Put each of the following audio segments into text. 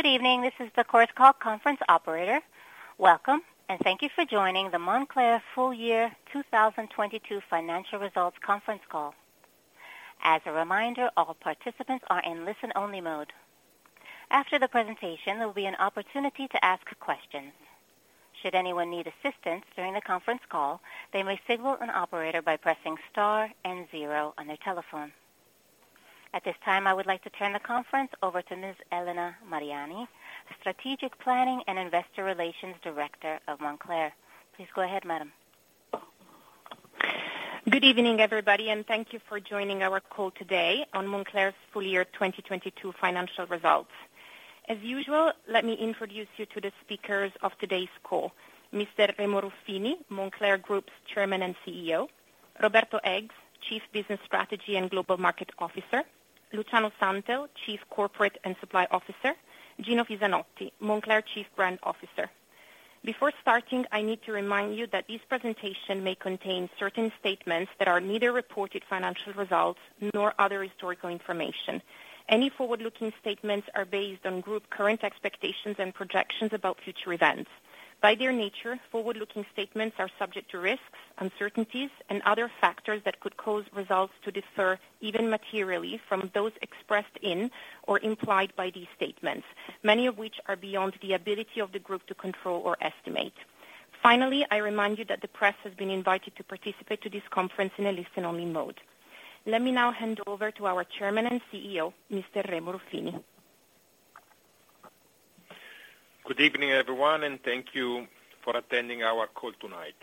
Good evening, this is the Chorus Call conference operator. Welcome, and thank you for joining the Moncler full year 2022 financial results conference call. As a reminder, all participants are in listen-only mode. After the presentation, there will be an opportunity to ask questions. Should anyone need assistance during the conference call, they may signal an operator by pressing star and zero on their telephone. At this time, I would like to turn the conference over to Ms. Elena Mariani, Strategic Planning and Investor Relations Director of Moncler. Please go ahead, madam. Good evening, everybody, thank you for joining our call today on Moncler's full year 2022 financial results. As usual, let me introduce you to the speakers of today's call. Mr. Remo Ruffini, Moncler Group's Chairman and CEO, Roberto Eggs, Chief Business Strategy and Global Market Officer, Luciano Santel, Chief Corporate and Supply Officer, Gino Fisanotti, Moncler Chief Brand Officer. Before starting, I need to remind you that this presentation may contain certain statements that are neither reported financial results nor other historical information. Any forward-looking statements are based on group current expectations and projections about future events. By their nature, forward-looking statements are subject to risks, uncertainties, and other factors that could cause results to differ even materially from those expressed in or implied by these statements, many of which are beyond the ability of the group to control or estimate. Finally, I remind you that the press has been invited to participate to this conference in a listen-only mode. Let me now hand over to our Chairman and CEO, Mr. Remo Ruffini. Good evening, everyone, and thank you for attending our call tonight.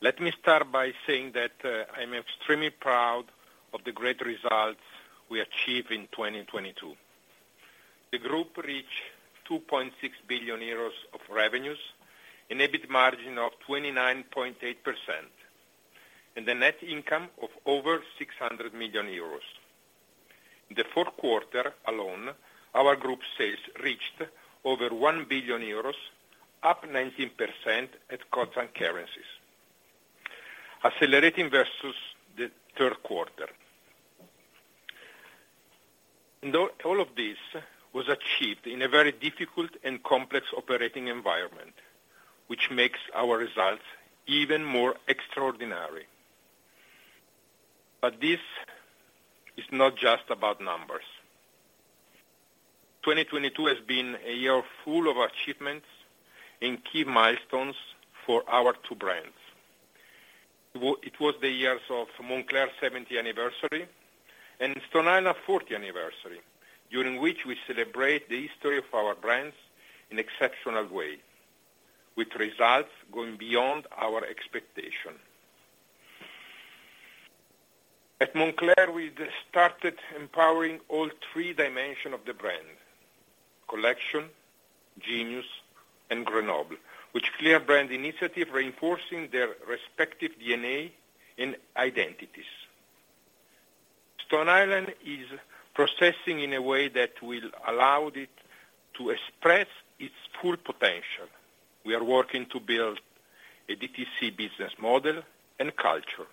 Let me start by saying that, I'm extremely proud of the great results we achieved in 2022. The group reached 2.6 billion euros of revenues and EBIT margin of 29.8% and a net income of over 600 million euros. In the fourth quarter alone, our group sales reached over 1 billion euros, up 19% at current currencies, accelerating versus the third quarter. All of this was achieved in a very difficult and complex operating environment, which makes our results even more extraordinary. This is not just about numbers. 2022 has been a year full of achievements and key milestones for our two brands. It was the years of Moncler's 70 anniversary and Stone Island 40 anniversary, during which we celebrate the history of our brands in exceptional way, with results going beyond our expectation. At Moncler, we started empowering all three dimension of the brand, Collection, Genius, and Grenoble, which clear brand initiative reinforcing their respective DNA and identities. Stone Island is processing in a way that will allow it to express its full potential. We are working to build a DTC business model and culture.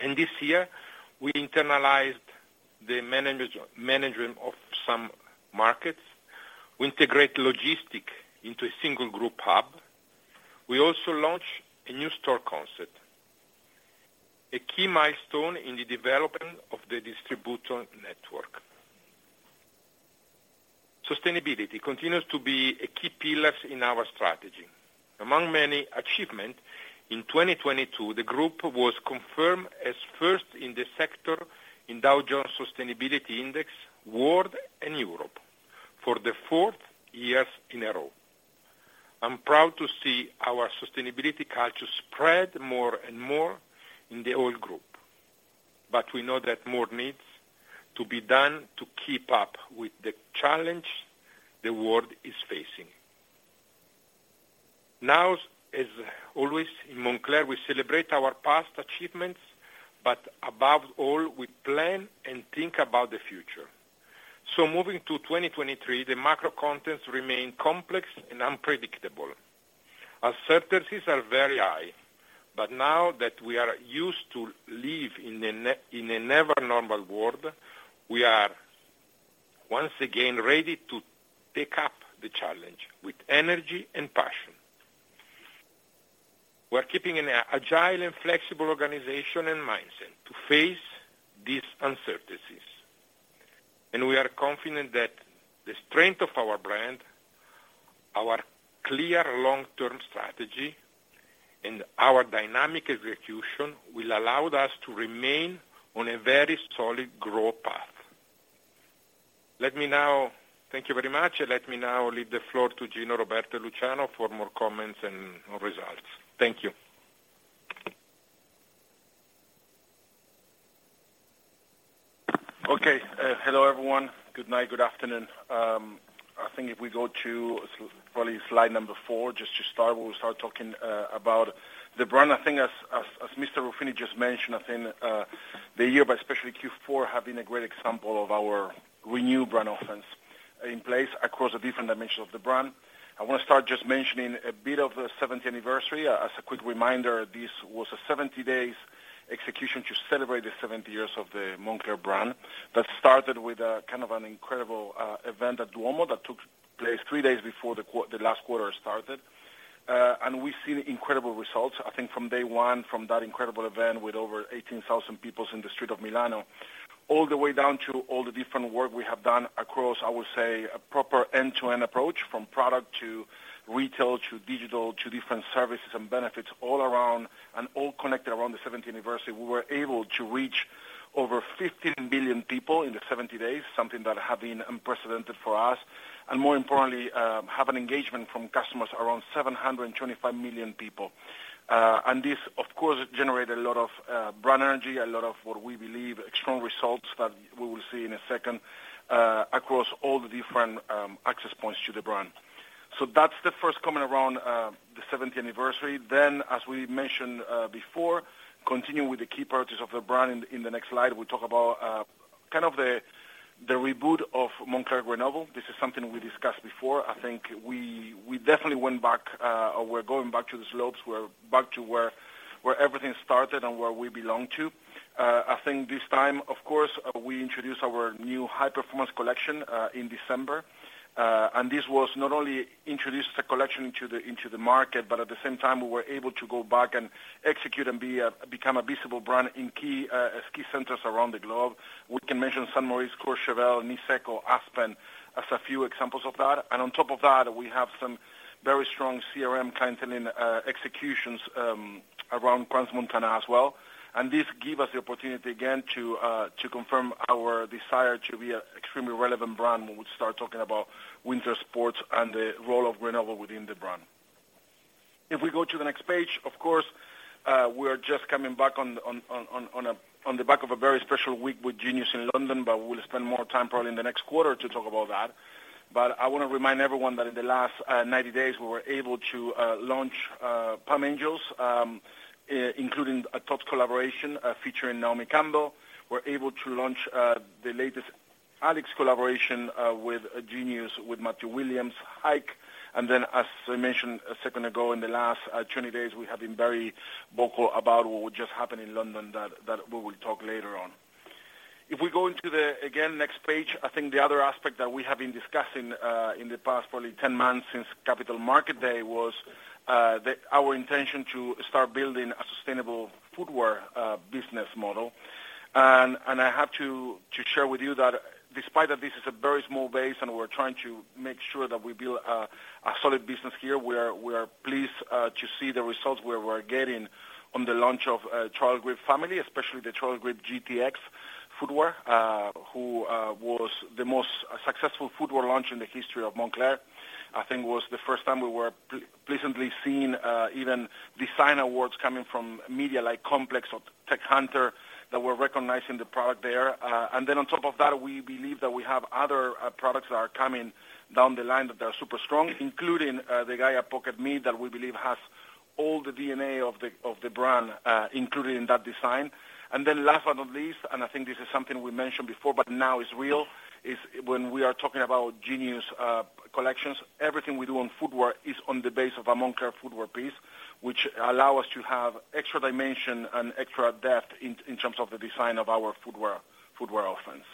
This year, we internalized the management of some markets. We integrate logistic into a single group hub. We also launch a new store concept, a key milestone in the development of the distribution network. Sustainability continues to be a key pillar in our strategy. Among many achievement, in 2022, the group was confirmed as first in the sector in Dow Jones Sustainability Index, World and Europe for the fourth years in a row. I'm proud to see our sustainability culture spread more and more in the whole group, but we know that more needs to be done to keep up with the challenge the world is facing. Now, as always, in Moncler, we celebrate our past achievements, but above all, we plan and think about the future. Moving to 2023, the macro contents remain complex and unpredictable. Uncertainties are very high, but now that we are used to live in a never normal world, we are once again ready to take up the challenge with energy and passion. We're keeping an agile and flexible organization and mindset to face these uncertainties. We are confident that the strength of our brand, our clear long-term strategy, and our dynamic execution will allow us to remain on a very solid growth path. Thank you very much. Let me now leave the floor to Gino, Roberto, Luciano for more comments and results. Thank you. Okay. Hello, everyone. Good night. Good afternoon. I think if we go to probably slide number four, just to start, we'll start talking about the brand. I think as Mr. Ruffini just mentioned, I think the year, but especially Q4, have been a great example of our renewed brand offense in place across the different dimensions of the brand. I wanna start just mentioning a bit of the 70th anniversary. As a quick reminder, this was a 70 days Execution to celebrate the 70 years of the Moncler brand that started with a kind of an incredible event at Duomo that took place three days before the last quarter started. We've seen incredible results, I think from day one, from that incredible event with over 18,000 people in the street of Milano. All the way down to all the different work we have done across, I would say, a proper end-to-end approach from product, to retail, to digital, to different services and benefits all around and all connected around the 70th anniversary. We were able to reach over 15 billion people in the 70 days, something that had been unprecedented for us, and more importantly, have an engagement from customers around 725 million people. This, of course, generated a lot of brand energy, a lot of what we believe, strong results that we will see in a second, across all the different access points to the brand. That's the first comment around the 70th anniversary. As we mentioned, before, continuing with the key parties of the brand in the next slide, we talk about kind of the reboot of Moncler Grenoble. This is something we discussed before. I think we definitely went back, or we're going back to the slopes. We're back to where everything started and where we belong to. I think this time, of course, we introduced our new high-performance collection in December. This was not only introduce the collection into the market, but at the same time, we were able to go back and execute and become a visible brand in key ski centers around the globe. We can mention Saint Moritz, Courchevel, Niseko, Aspen as a few examples of that. On top of that, we have some very strong CRM clienteling executions around Crans-Montana as well. This give us the opportunity again to confirm our desire to be an extremely relevant brand when we start talking about winter sports and the role of Grenoble within the brand. If we go to the next page, of course, we are just coming back on the back of a very special week with Genius in London, but we'll spend more time probably in the next quarter to talk about that. I wanna remind everyone that in the last 90 days, we were able to launch Palm Angels, including a top collaboration, featuring Naomi Campbell. We're able to launch the latest ALYX collaboration, with Genius, with Matthew Williams, HYKE. As I mentioned a second ago, in the last 20 days, we have been very vocal about what just happened in London that we will talk later on. If we go into the, again, next page, I think the other aspect that we have been discussing in the past probably 10 months since Capital Markets Day was our intention to start building a sustainable footwear business model. I have to share with you that despite that this is a very small base and we're trying to make sure that we build a solid business here, we are pleased to see the results we are getting on the launch of Trailgrip family, especially the Trailgrip GTX footwear, who was the most successful footwear launch in the history of Moncler. I think it was the first time we were pleasantly seeing even design awards coming from media like Complex or Techhunter that were recognizing the product there. On top of that, we believe that we have other products that are coming down the line that are super strong, including the Gaia Pocket Mid, that we believe has all the DNA of the brand included in that design. Last but not least, and I think this is something we mentioned before, but now is real, is when we are talking about Genius collections, everything we do on footwear is on the base of a Moncler footwear piece, which allow us to have extra dimension and extra depth in terms of the design of our footwear offense.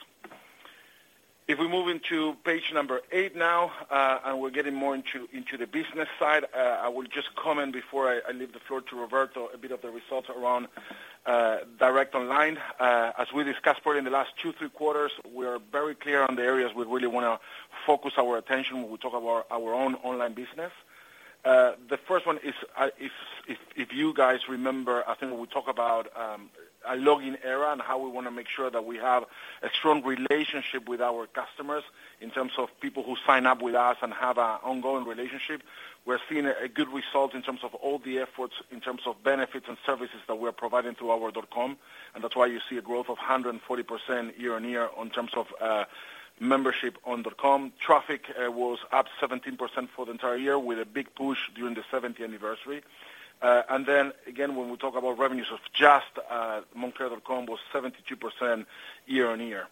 If we move into page number eight now, we're getting more into the business side, I will just comment before I leave the floor to Roberto, a bit of the results around direct online. We discussed probably in the last two, three quarters, we are very clear on the areas we really wanna focus our attention when we talk about our own online business. The first one is, if you guys remember, I think we talked about a login era and how we wanna make sure that we have a strong relationship with our customers in terms of people who sign up with us and have an ongoing relationship. We're seeing a good result in terms of all the efforts, in terms of benefits and services that we are providing through our dot-com. That's why you see a growth of 140% year-on-year on terms of membership on dot-com. Traffic was up 17% for the entire year with a big push during the 70th anniversary. Then again, when we talk about revenues of just moncler.com was 72% year-on-year.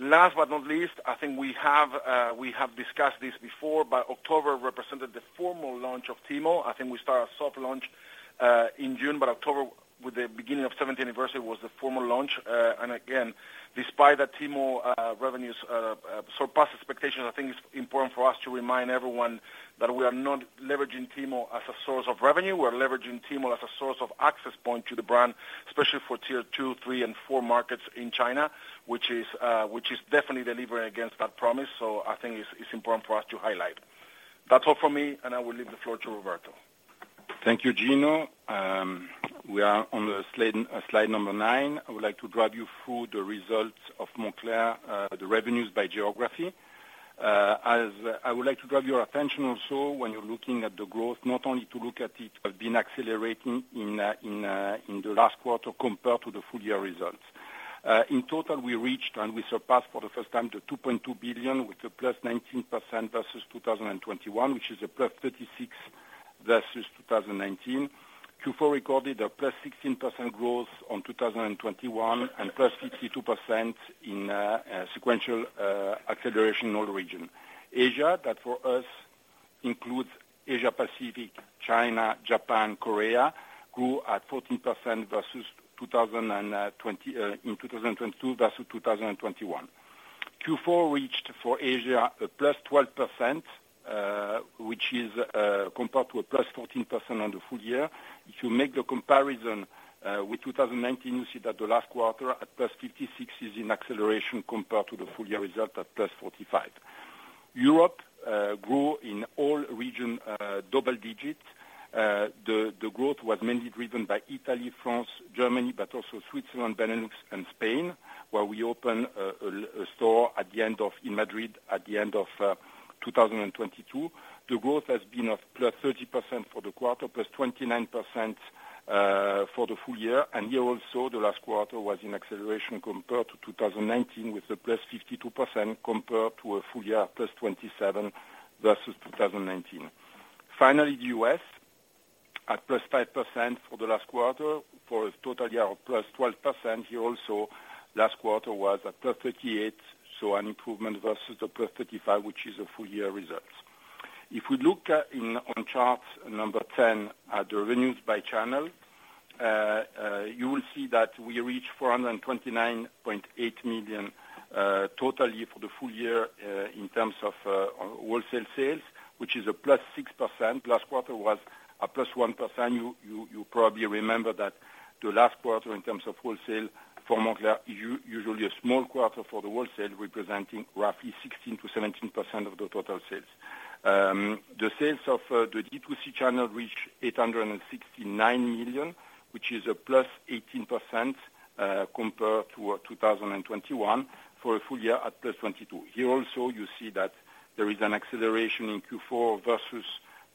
Last but not least, I think we have discussed this before. October represented the formal launch of Tmall. I think we started a soft launch in June. October, with the beginning of 70th anniversary, was the formal launch. Again, despite that Tmall, revenues surpass expectations, I think it's important for us to remind everyone that we are not leveraging Tmall as a source of revenue. We are leveraging Tmall as a source of access point to the brand, especially for tier two, three and four markets in China, which is definitely delivering against that promise. I think it's important for us to highlight. That's all for me, and I will leave the floor to Roberto. Thank you, Gino. We are on slide number nine. I would like to drive you through the results of Moncler, the revenues by geography. I would like to drive your attention also when you're looking at the growth, not only to look at it as been accelerating in the last quarter compared to the full year results. In total, we reached and we surpassed for the first time the 2.2 billion with a +19% versus 2021, which is a +36% versus 2019. Q4 recorded a +16% growth on 2021 and +62% in sequential acceleration in all region. Asia, that for us includes Asia Pacific, China, Japan, Korea, grew at 14% versus 2020 in 2022 versus 2021. Q4 reached for Asia a +12%, which is compared to a +14% on the full year. If you make the comparison with 2019, you see that the last quarter at +56% is in acceleration compared to the full year result at +45%. Europe grew in all region double digits. The growth was mainly driven by Italy, France, Germany, but also Switzerland, Benelux, and Spain, where we opened a store in Madrid at the end of 2022. The growth has been of +30% for the quarter, +29% for the full year. Here also, the last quarter was in acceleration compared to 2019, with a +52% compared to a full year +27% versus 2019. Finally, the U.S. at +5% for the last quarter, for a total year of +12%. Here also, last quarter was at +38%, so an improvement versus the +35%, which is a full year results. If we look on chart number 10 at the revenues by channel, you will see that we reached 429.8 million total year for the full year in terms of wholesale sales, which is a +6%. Last quarter was a +1%. You probably remember that the last quarter in terms of wholesale for Moncler is usually a small quarter for the wholesale, representing roughly 16%-17% of the total sales. The sales of the D2C channel reached 869 million, which is a +18% compared to 2021 for a full year at +22%. Here also, you see that there is an acceleration in Q4 versus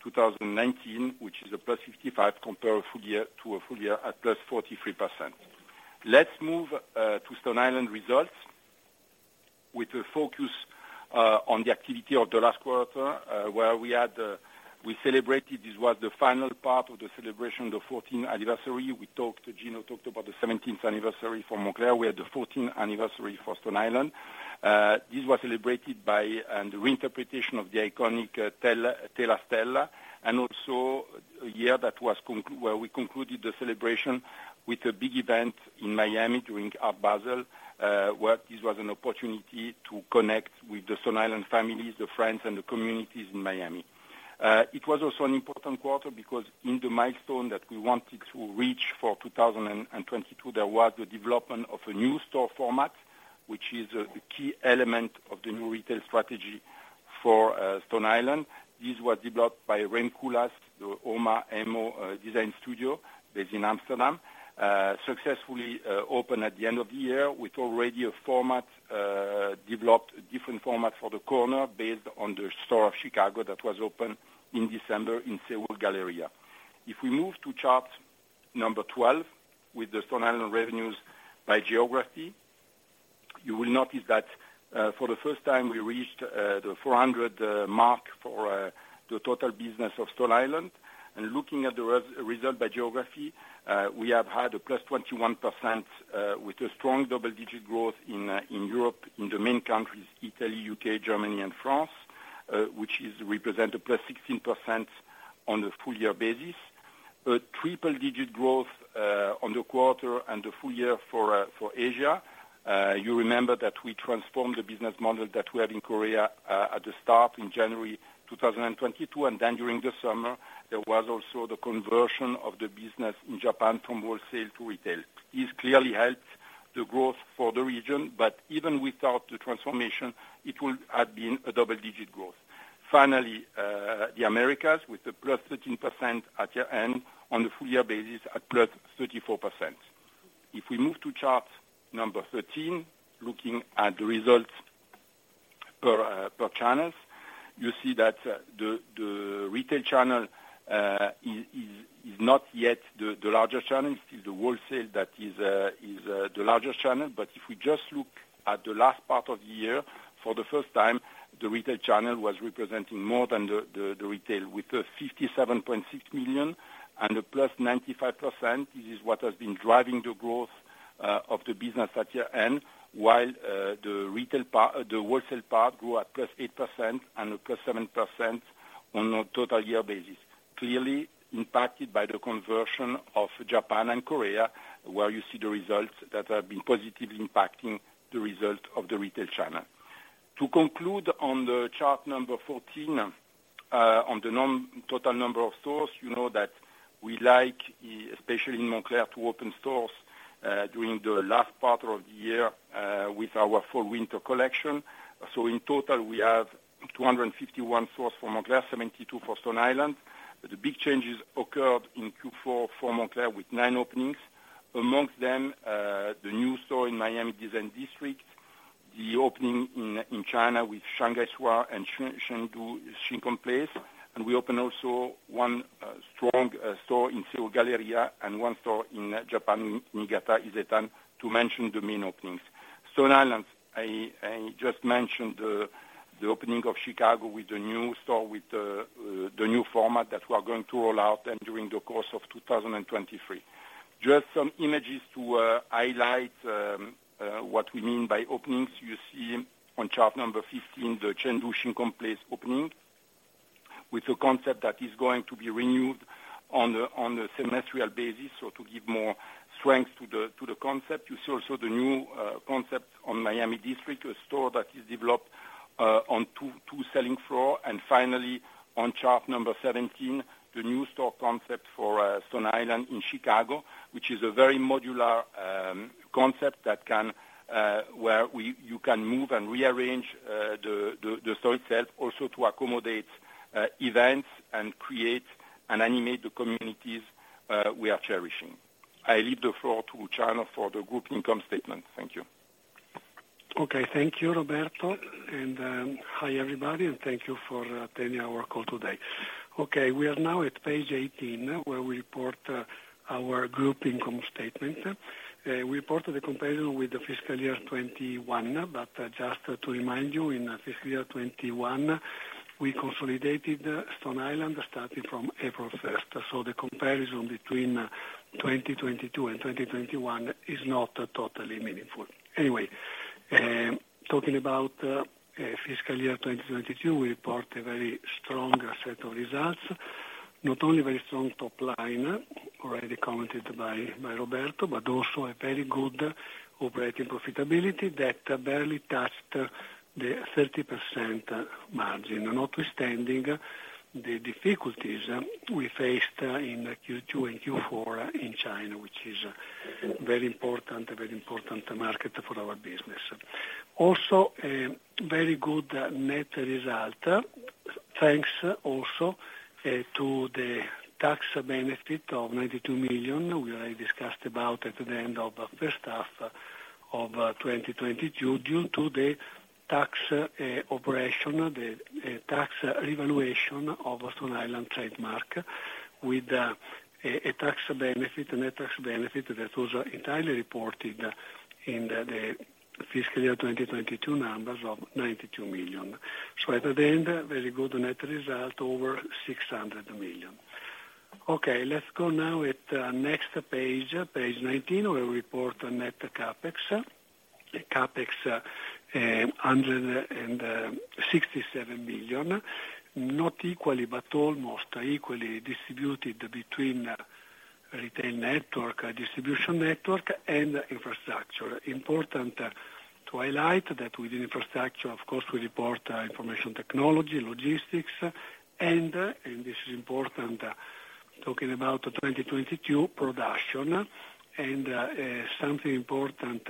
2019, which is a +55% compared full year, to a full year at +43%. Let's move to Stone Island results with a focus on the activity of the last quarter, where we had, we celebrated, this was the final part of the celebration of the 14th anniversary. We talked, Gino talked about the 17th anniversary for Moncler. We had the 14th anniversary for Stone Island. This was celebrated by an reinterpretation of the iconic Tela Stella. Also a year that was where we concluded the celebration with a big event in Miami during Art Basel, where this was an opportunity to connect with the Stone Island families, the friends, and the communities in Miami. It was also an important quarter because in the milestone that we wanted to reach for 2022, there was the development of a new store format, which is the key element of the new retail strategy for Stone Island. These were developed by Rem Koolhaas, the OMA AMO design studio based in Amsterdam. Successfully opened at the end of the year with already a format, developed different format for the corner based on the store of Chicago that was opened in December in Seoul Galleria. If we move to chart number 12 with the Stone Island revenues by geography, you will notice that for the first time, we reached the 400 mark for the total business of Stone Island. Looking at the result by geography, we have had a +21% with a strong double-digit growth in Europe, in the main countries, Italy, U.K., Germany, and France, which is represent a +16% on a full year basis. A triple-digit growth on the quarter and the full year for Asia. You remember that we transformed the business model that we had in Korea at the start in January 2022, and then during the summer, there was also the conversion of the business in Japan from wholesale to retail. This clearly helped the growth for the region, but even without the transformation, it would have been a double-digit growth. Finally, the Americas with a +13% at year-end on a full year basis at +34%. If we move to chart number 13, looking at the results per channels, you see that the retail channel is not yet the largest channel. It's still the wholesale that is the largest channel. If we just look at the last part of the year, for the first time, the retail channel was representing more than the retail with 57.6 million and a +95%. This is what has been driving the growth of the business at year-end, while the retail part, the wholesale part grew at +8% and a +7% on a total year basis. Clearly impacted by the conversion of Japan and Korea, where you see the results that have been positively impacting the results of the retail channel. To conclude on the chart number 14, on the total number of stores, you know that we like especially in Moncler, to open stores during the last part of the year, with our fall/winter collection. In total, we have 251 stores for Moncler, 72 for Stone Island. The big changes occurred in Q4 for Moncler with nine openings. Amongst them, the new store in Miami Design District, the opening in China with Shanghai West and Chengdu Shin Kong Place. We opened also one strong store in Seoul Galleria and one store in Japan, Niigata Isetan to mention the main openings. Stone Island, I just mentioned the opening of Chicago with a new store, with the new format that we are going to roll out during the course of 2023. Some images to highlight what we mean by openings. You see on chart number 15, the Tianducheng Place opening with a concept that is going to be renewed on a semestral basis. To give more strength to the concept. You see also the new concept on Miami District, a store that is developed on two selling floor. Finally, on chart number 17, the new store concept for Stone Island in Chicago, which is a very modular concept that can where you can move and rearrange the store itself also to accommodate events and create and animate the communities we are cherishing. I leave the floor to Luciano for the group income statement. Thank you. Okay. Thank you, Roberto, hi, everybody, and thank you for attending our call today. We are now at page 18, where we report our group income statement. We reported the comparison with the fiscal year 2021. Just to remind you, in fiscal year 2021, we consolidated Stone Island starting from April 1st. The comparison between 2022 and 2021 is not totally meaningful. Anyway, talking about fiscal year 2022, we report a very strong set of results. Not only very strong top line, already commented by Roberto, but also a very good operating profitability that barely touched the 30% margin. Notwithstanding the difficulties we faced in Q2 and Q4 in China, which is a very important market for our business. Also, a very good net result, thanks also to the tax benefit of 92 million. We already discussed about it at the end of first half of 2022, due to the tax operation, the tax revaluation of Stone Island trademark with a tax benefit, a net tax benefit that was entirely reported in the fiscal year 2022 numbers of 92 million. At the end, very good net result, over 600 million. Let's go now at next page 19, where we report net CapEx. The CapEx, 167 million. Not equally, but almost equally distributed between retail network, distribution network, and infrastructure. Important to highlight that within infrastructure, of course, we report information technology, logistics, and this is important, talking about the 2022 production. Something important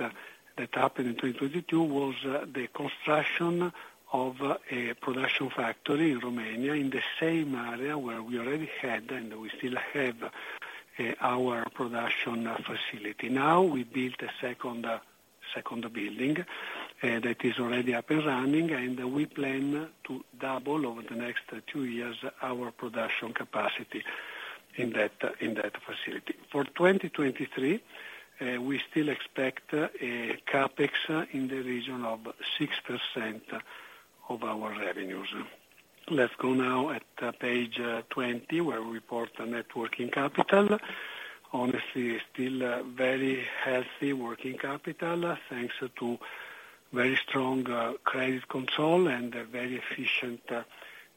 that happened in 2022 was the construction of a production factory in Romania in the same area where we already had, and we still have, our production facility. We built a second building that is already up and running, and we plan to double over the next two years our production capacity in that facility. In 2023, we still expect a CapEx in the region of 6% of our revenues. Let's go now at page 20, where we report the net working capital. Honestly, still very healthy working capital, thanks to very strong credit control and a very efficient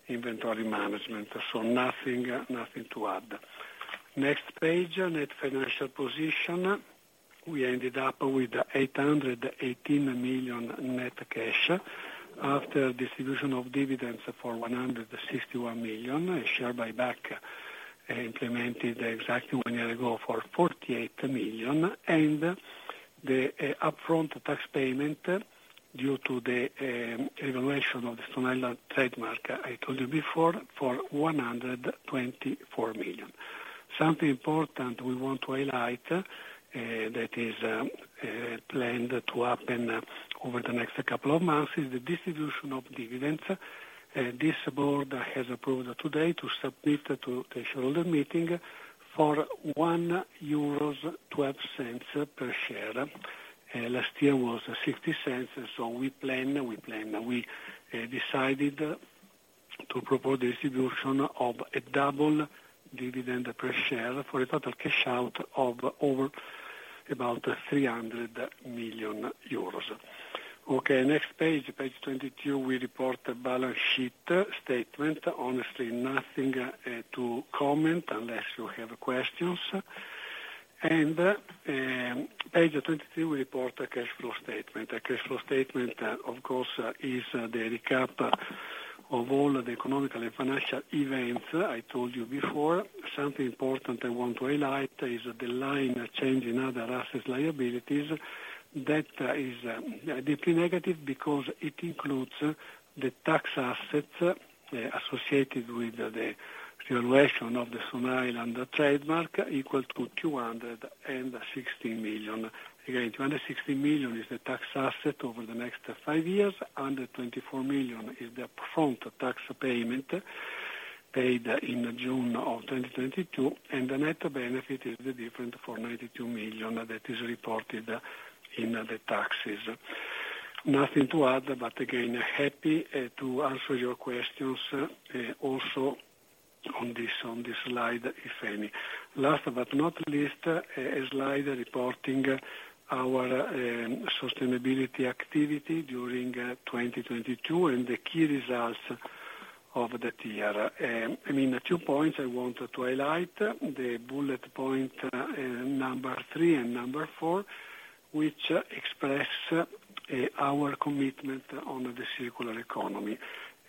inventory management. Nothing to add. Next page, net financial position. We ended up with 818 million net cash after distribution of dividends for 161 million, a share buyback implemented exactly one year ago for 48 million, the upfront tax payment due to the evaluation of the Stone Island trademark, I told you before, for 124 million. Something important we want to highlight that is planned to happen over the next couple of months is the distribution of dividends. This board has approved today to submit to the shareholder meeting for 1.12 euros per share. Last year was 0.60, we decided to propose the distribution of a double dividend per share for a total cash out of over about 300 million euros. Next page 22, we report the balance sheet statement. Honestly, nothing to comment unless you have questions. Page 22, we report a cash flow statement. A cash flow statement, of course, is the recap of all the economical and financial events I told you before. Something important I want to highlight is the line change in other assets liabilities. That is deeply negative because it includes the tax assets associated with the evaluation of the Stone Island trademark equal to 216 million. Again, 216 million is the tax asset over the next five years. 124 million is the upfront tax payment paid in June of 2022, and the net benefit is the difference for 92 million that is reported in the taxes. Nothing to add, again, happy to answer your questions also on this slide, if any. Last but not least, a slide reporting our sustainability activity during 2022, and the key results of the tier. I mean, two points I want to highlight. The bullet point, number three and number four, which express our commitment on the circular economy.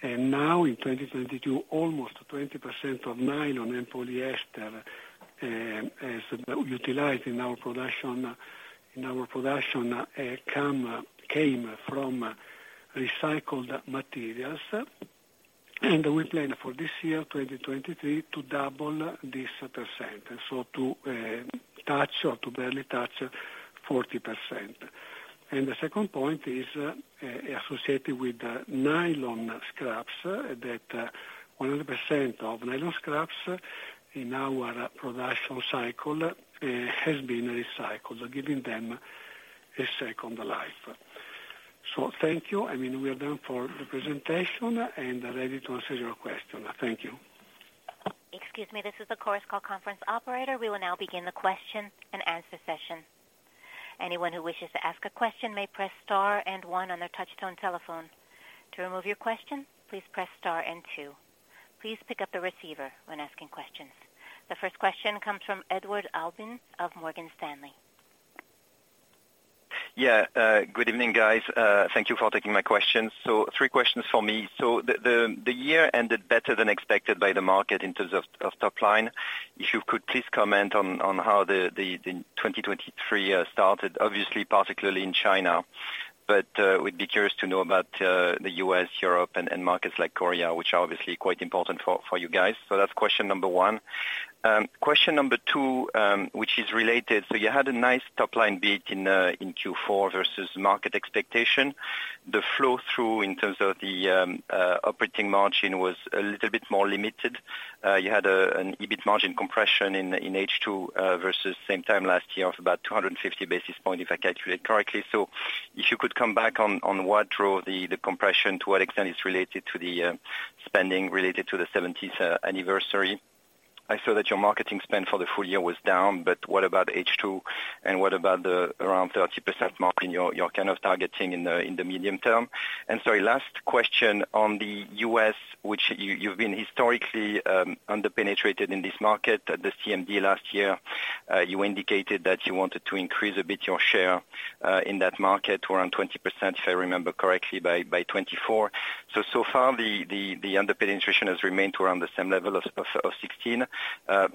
Now, in 2022, almost 20% of nylon and polyester as utilized in our production came from recycled materials. We plan for this year, 2023, to double this percent. To touch, or to barely touch 40%. The second point is associated with nylon scraps, that 100% of nylon scraps in our production cycle has been recycled, giving them a second life. Thank you. I mean, we are done for the presentation, and ready to answer your question. Thank you. Excuse me. This is the Chorus Call conference operator. We will now begin the question and answer session. Anyone who wishes to ask a question may press star and one on their touch tone telephone. To remove your question, please press star and two. Please pick up the receiver when asking questions. The first question comes from Edouard Aubin of Morgan Stanley. Yeah. Good evening, guys. Thank you for taking my questions. Three questions for me. The year ended better than expected by the market in terms of top line. If you could please comment on how the 2023 year started, obviously particularly in China, but we'd be curious to know about the U.S., Europe, and markets like Korea, which are obviously quite important for you guys. That's question number one. Question number two, which is related. You had a nice top line beat in Q4 versus market expectation. The flow through in terms of the operating margin was a little bit more limited. You had an EBIT margin compression in H2 versus same time last year of about 250 basis points, if I calculate correctly. If you could come back on what drove the compression, to what extent it's related to the spending related to the 70th anniversary. I saw that your marketing spend for the full year was down, but what about H2, and what about the around 30% mark in you're kind of targeting in the medium term? Sorry, last question on the US, which you've been historically under-penetrated in this market. At the CMD last year, you indicated that you wanted to increase a bit your share in that market to around 20%, if I remember correctly, by 2024. So far the under-penetration has remained to around the same level of 16,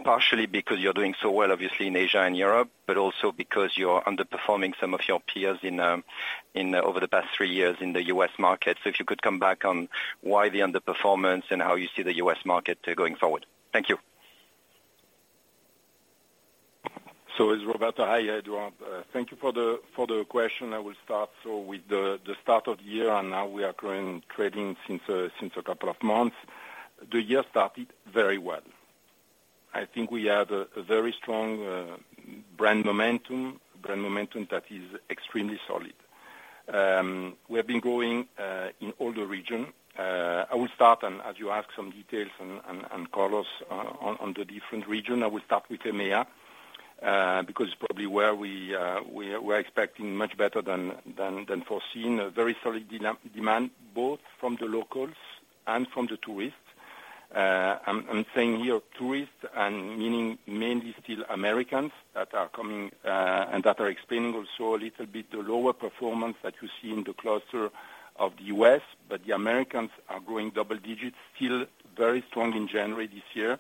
partially because you're doing so well, obviously in Asia and Europe, but also because you're underperforming some of your peers in over the past three years in the U.S. market. If you could come back on why the underperformance and how you see the U.S. market going forward. Thank you. It's Roberto Eggs. Hi, Edouard Aubin. Thank you for the question. I will start. With the start of the year, now we are current trading since a couple of months. The year started very well. I think we had a very strong brand momentum that is extremely solid. We have been growing in all the region. I will start, as you ask some details on colors, on the different region, I will start with EMEA, because it's probably where we're expecting much better than foreseen. A very solid demand both from the locals and from the tourists. I'm saying here tourists, meaning mainly still Americans that are coming, that are explaining also a little bit the lower performance that you see in the cluster of the U.S. The Americans are growing double-digits, still very strong in January this year.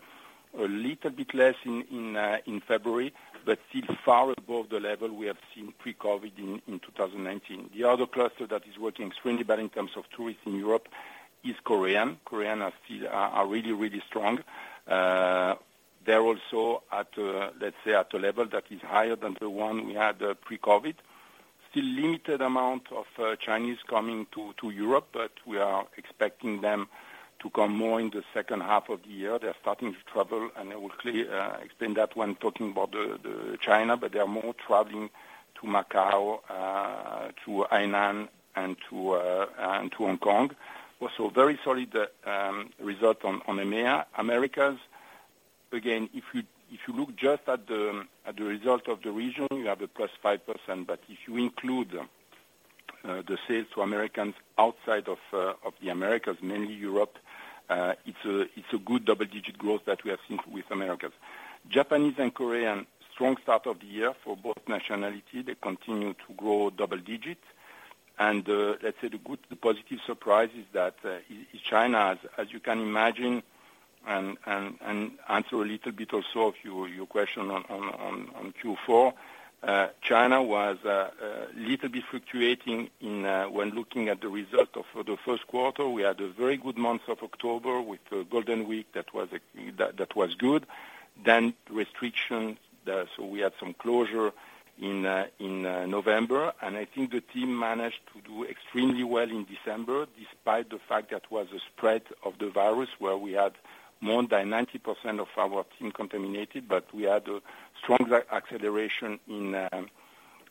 A little bit less in February, still far above the level we have seen pre-COVID in 2019. The other cluster that is working extremely well in terms of tourists in Europe is Korean. Korean are still really strong. They're also at, let's say, at a level that is higher than the one we had pre-COVID. Still limited amount of Chinese coming to Europe, we are expecting them to come more in the second half of the year. They're starting to travel, and I will explain that when talking about the China, but they are more traveling to Macau, to Hainan, and to Hong Kong. Also very solid result on EMEA. Americas, again, if you look just at the result of the region, you have a +5%, but if you include the sales to Americans outside of the Americas, mainly Europe, it's a good double-digit growth that we have seen with Americas. Japanese and Korean, strong start of the year for both nationality. They continue to grow double-digit. Let's say the good, the positive surprise is that in China, as you can imagine, and answer a little bit also of your question on Q4, China was a little bit fluctuating in when looking at the result of the first quarter. We had a very good month of October with Golden Week. That was good. Restrictions, so we had some closure in November. I think the team managed to do extremely well in December, despite the fact that was a spread of the virus. More than 90% of our team contaminated, we had a strong acceleration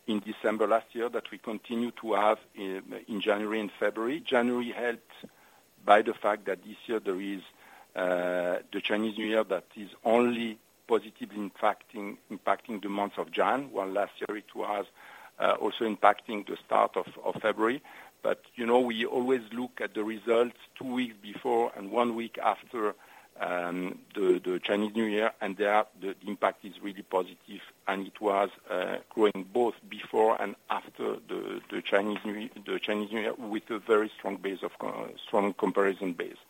in December last year that we continue to have in January and February. January helped by the fact that this year there is the Chinese New Year that is only positively impacting the months of January, while last year it was also impacting the start of February. You know, we always look at the results two weeks before and one week after the Chinese New Year, and there the impact is really positive, and it was growing both before and after the Chinese New Year with a very strong comparison base.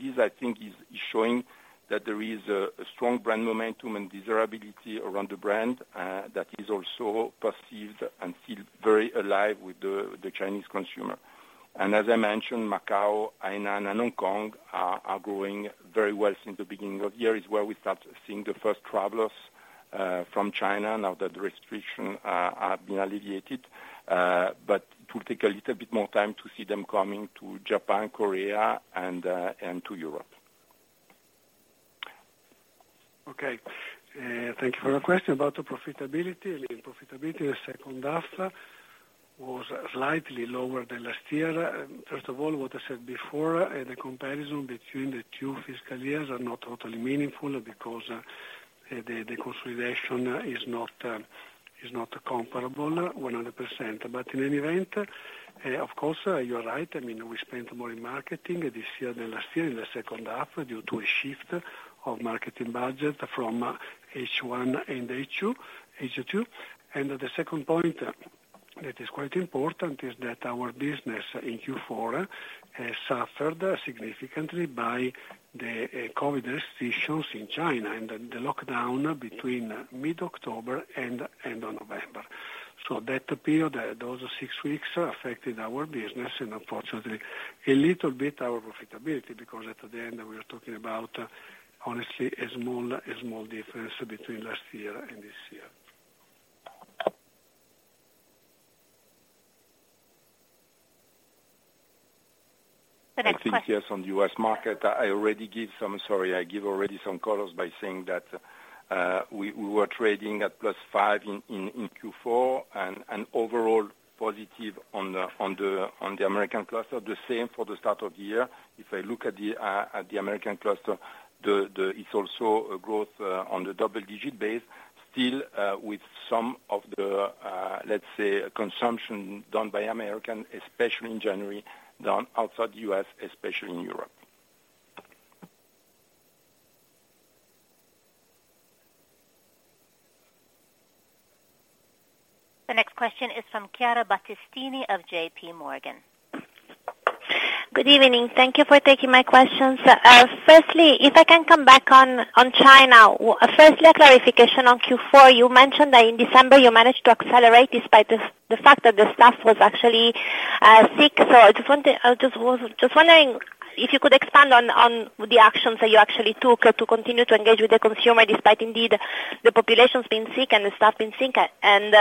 This I think is showing that there is a strong brand momentum and desirability around the brand, that is also perceived and feel very alive with the Chinese consumer. As I mentioned, Macau, Hainan, and Hong Kong are growing very well since the beginning of the year. Is where we start seeing the first travelers from China now that the restriction are being alleviated. To take a little bit more time to see them coming to Japan, Korea, and to Europe. Okay. Thank you for the question. About the profitability, the profitability the second half was slightly lower than last year. First of all, what I said before, the comparison between the two fiscal years are not totally meaningful because the consolidation is not comparable 100%. In any event, of course, you're right. I mean, we spent more in marketing this year than last year in the second half due to a shift of marketing budget from H1 and H2. The second point that is quite important is that our business in Q4 has suffered significantly by the COVID restrictions in China and the lockdown between mid-October and end of November. That period, those six weeks affected our business and unfortunately a little bit our profitability, because at the end we are talking about honestly a small difference between last year and this year. The next question. I think yes, on the U.S. market, I give already some colors by saying that, we were trading at +5% in Q4 and overall positive on the American cluster. The same for the start of the year. If I look at the American cluster, it's also a growth on the double-digit base still with some of the let's say consumption done by American especially in January, done outside U.S. especially in Europe. The next question is from Chiara Battistini of J.P. Morgan. Good evening. Thank you for taking my questions. Firstly, if I can come back on China. Firstly, a clarification on Q4. You mentioned that in December you managed to accelerate despite the fact that the staff was actually sick. I was just wondering if you could expand on the actions that you actually took to continue to engage with the consumer, despite indeed the population's been sick and the staff been sick and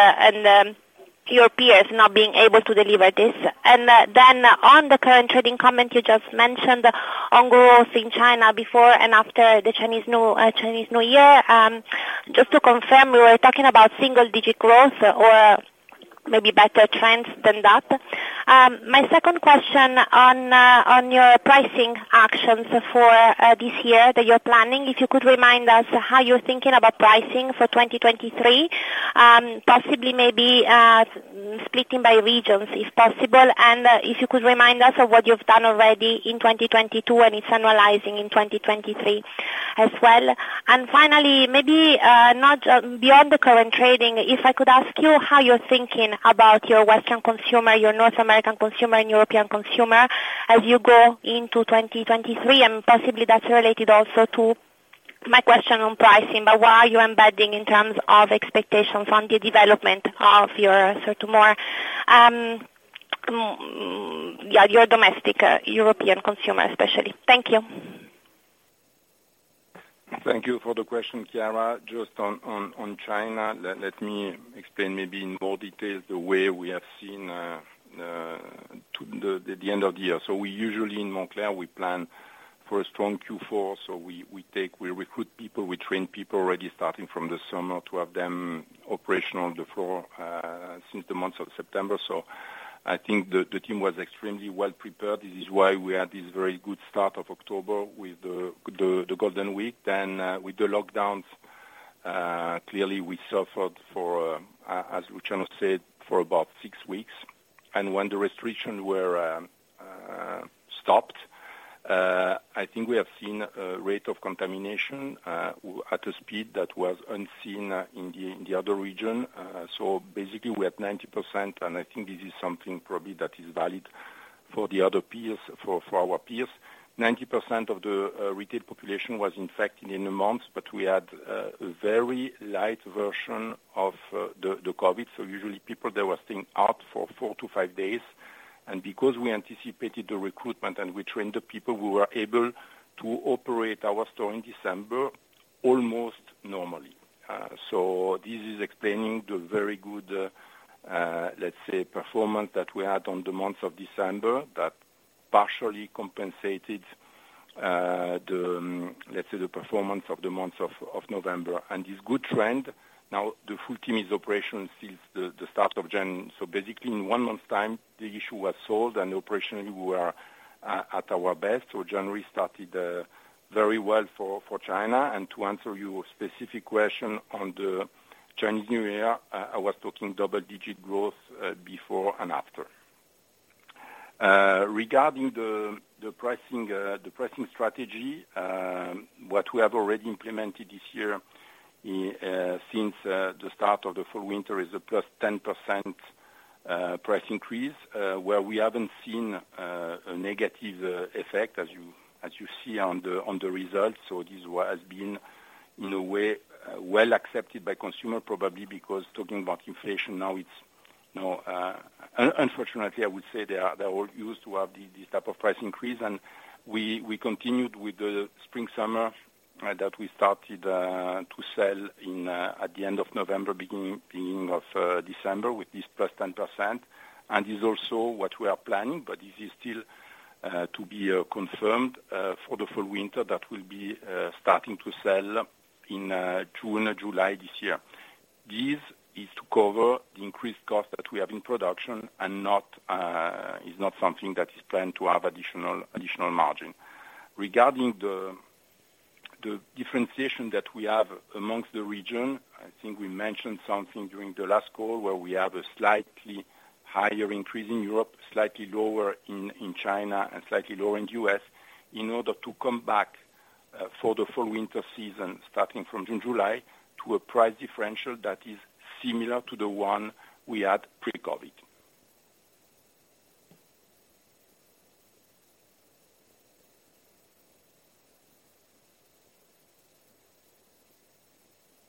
your peers not being able to deliver this. On the current trading comment you just mentioned on growth in China before and after the Chinese New Year. Just to confirm, we were talking about single-digit growth or maybe better trends than that. My second question on your pricing actions for this year that you're planning. If you could remind us how you're thinking about pricing for 2023, possibly maybe splitting by regions if possible. If you could remind us of what you've done already in 2022 and it's annualizing in 2023 as well. Finally, maybe not beyond the current trading, if I could ask you how you're thinking about your Western consumer, your North American consumer and European consumer as you go into 2023, and possibly that's related also to my question on pricing. What are you embedding in terms of expectations on the development of your sort of more, yeah, your domestic European consumer especially? Thank you. Thank you for the question, Chiara. Just on China, let me explain maybe in more details the way we have seen to the end of the year. We usually in Moncler, we plan for a strong Q4. We take, we recruit people, we train people already starting from the summer to have them operational on the floor since the month of September. I think the team was extremely well prepared. This is why we had this very good start of October with the Golden Week. With the lockdowns, clearly we suffered for as Luciano said, for about six weeks. When the restrictions were stopped, I think we have seen a rate of contamination at a speed that was unseen in the other region. Basically, we had 90%, and I think this is something probably that is valid for the other peers, for our peers. 90% of the retail population was infected in a month, we had a very light version of the COVID. Usually people, they were staying out for four to five days. Because we anticipated the recruitment and we trained the people, we were able to operate our store in December almost normally. This is explaining the very good, let's say performance that we had on the month of December that partially compensated the, let's say, the performance of the months of November and this good trend. Now, the full team is operation since the start of January. Basically in one month's time, the issue was solved and operationally we were at our best. January started very well for China. To answer your specific question on the Chinese New Year, I was talking double-digit growth before and after. Regarding the pricing strategy, what we have already implemented this year, since the start of the fall winter is a +10% price increase, where we haven't seen a negative effect as you see on the results. This is what has been in a way well accepted by consumer, probably because talking about inflation now it's, you know, unfortunately, I would say, they all used to have these type of price increase. We continued with the spring summer that we started to sell in at the end of November, beginning of December with this +10%. Is also what we are planning. This is still to be confirmed for the full winter that will be starting to sell in June or July this year. This is to cover the increased cost that we have in production and not is not something that is planned to have additional margin. Regarding the differentiation that we have amongst the region, I think we mentioned something during the last call where we have a slightly higher increase in Europe, slightly lower in China and slightly lower in US in order to come back for the fall winter season, starting from June, July, to a price differential that is similar to the one we had pre-COVID.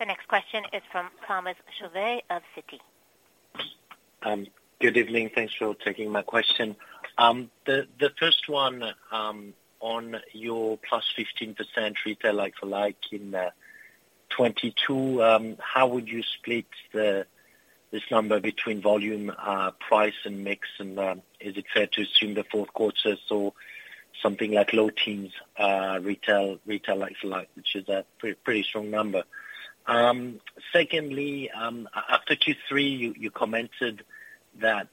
The next question is from Thomas Chauvet of Citi. Good evening. Thanks for taking my question. The first one, on your +15% retail like-for-like in 2022, how would you split this number between volume, price and mix? Is it fair to assume the fourth quarter saw something like low teens retail like-for-like, which is a pretty strong number? Secondly, after Q3, you commented that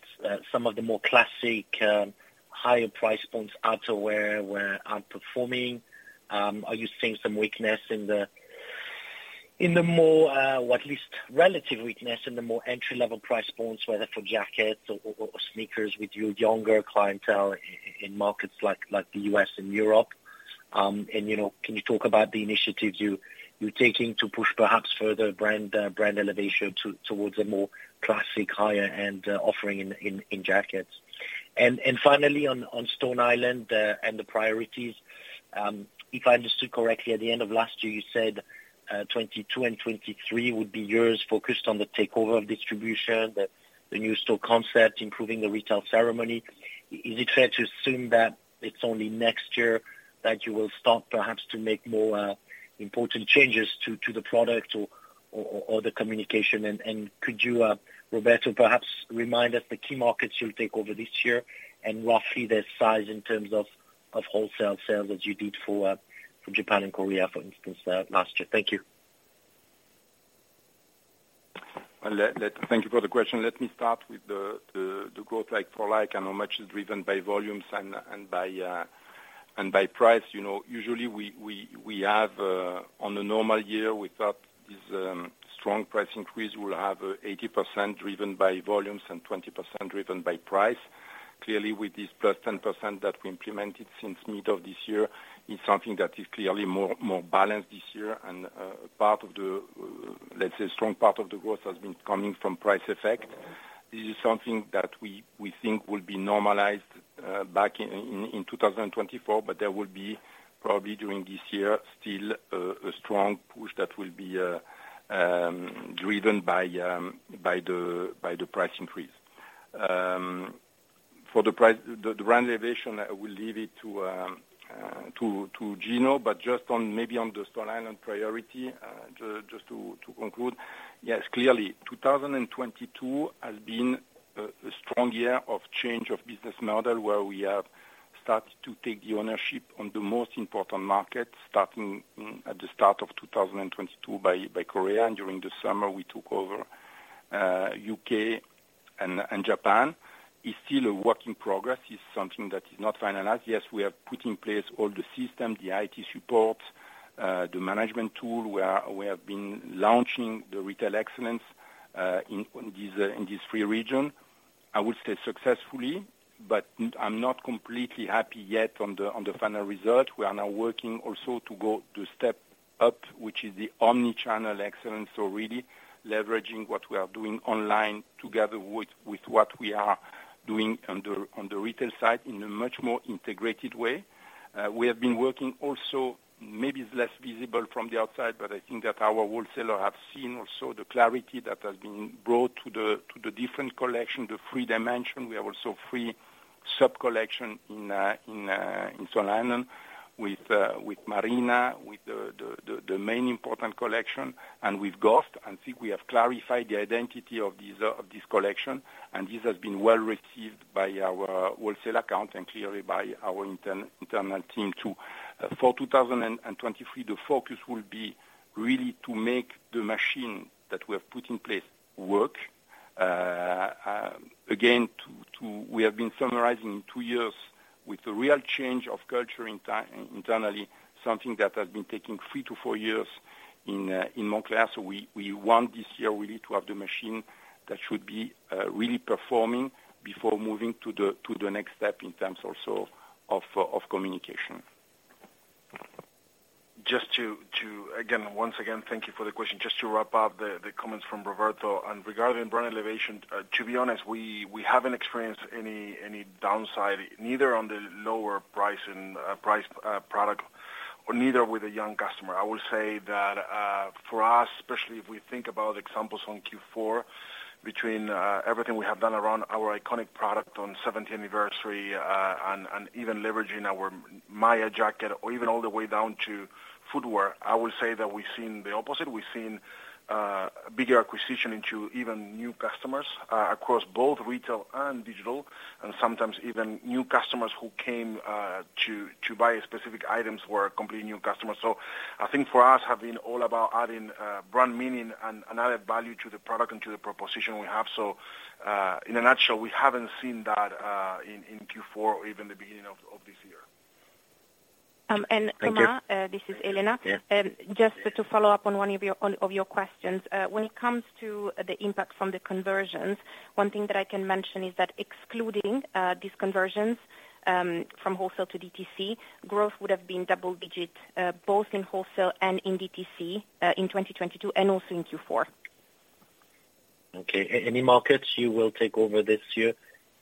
some of the more classic, higher price points outerwear were outperforming. Are you seeing some weakness in the more, or at least relative weakness in the more entry level price points, whether for jackets or sneakers with your younger clientele in markets like the U.S. and Europe? You know, can you talk about the initiatives you're taking to push perhaps further brand elevation towards a more classic higher end offering in jackets? Finally on Stone Island and the priorities. If I understood correctly at the end of last year, you said 2022 and 2023 would be years focused on the takeover of distribution, the new store concept, improving the retail ceremony. Is it fair to assume that it's only next year that you will start perhaps to make more important changes to the product or the communication? Could you, Roberto perhaps remind us the key markets you'll take over this year and roughly the size in terms of wholesale sales as you did for Japan and Korea, for instance, last year? Thank you. Well, thank you for the question. Let me start with the growth like-for-like and how much is driven by volumes and by price. You know, usually we have on a normal year without this strong price increase, we'll have 80% driven by volumes and 20% driven by price. Clearly, with this +10% that we implemented since mid of this year is something that is clearly more balanced this year. Part of the, let's say, strong part of the growth has been coming from price effect. This is something that we think will be normalized back in 2024, there will be probably during this year, still a strong push that will be driven by the price increase. For the price, the brand elevation, I will leave it to Gino. Just on, maybe on the Stone Island priority, just to conclude, yes, clearly 2022 has been a strong year of change of business model, where we have started to take the ownership on the most important markets, starting at the start of 2022 by Korea and during the summer we took over UK and Japan. It's still a work in progress. It's something that is not finalized. Yes, we have put in place all the system, the IT support, the management tool. We have been launching the retail excellence in this three region. I would say successfully, but I'm not completely happy yet on the final result. We are now working also to go to step up, which is the omnichannel excellence. Really leveraging what we are doing online together with what we are doing on the retail side in a much more integrated way. We have been working also, maybe it's less visible from the outside, but I think that our wholesaler have seen also the clarity that has been brought to the different collection, the three dimension. We have also three Sub collection in Stone Island with Marina, with the main important collection and with Ghost. I think we have clarified the identity of this collection, and this has been well received by our wholesale account and clearly by our internal team too. For 2023, the focus will be really to make the machine that we have put in place work. again, we have been summarizing two years with the real change of culture internally, something that has been taking 3-4 years in Moncler. we want this year really to have the machine that should be really performing before moving to the next step in terms also of communication. Again, once again, thank you for the question. Just to wrap up the comments from Roberto. Regarding brand elevation, to be honest, we haven't experienced any downside, neither on the lower price in product or neither with the young customer. I would say that for us, especially if we think about examples on Q4, between everything we have done around our iconic product on 70th anniversary and even leveraging our Maya jacket or even all the way down to footwear, I would say that we've seen the opposite. We've seen bigger acquisition into even new customers across both retail and digital, and sometimes even new customers who came to buy specific items were completely new customers. I think for us, have been all about adding, brand meaning and added value to the product and to the proposition we have. In a nutshell, we haven't seen that, in Q4 or even the beginning of this year. Um, and Thomas- Thank you. This is Elena. Yeah. Just to follow up on one of your questions. When it comes to the impact from the conversions, one thing that I can mention is that excluding these conversions from wholesale to DTC, growth would have been double-digit both in wholesale and in DTC in 2022 and also in Q4. Okay. Any markets you will take over this year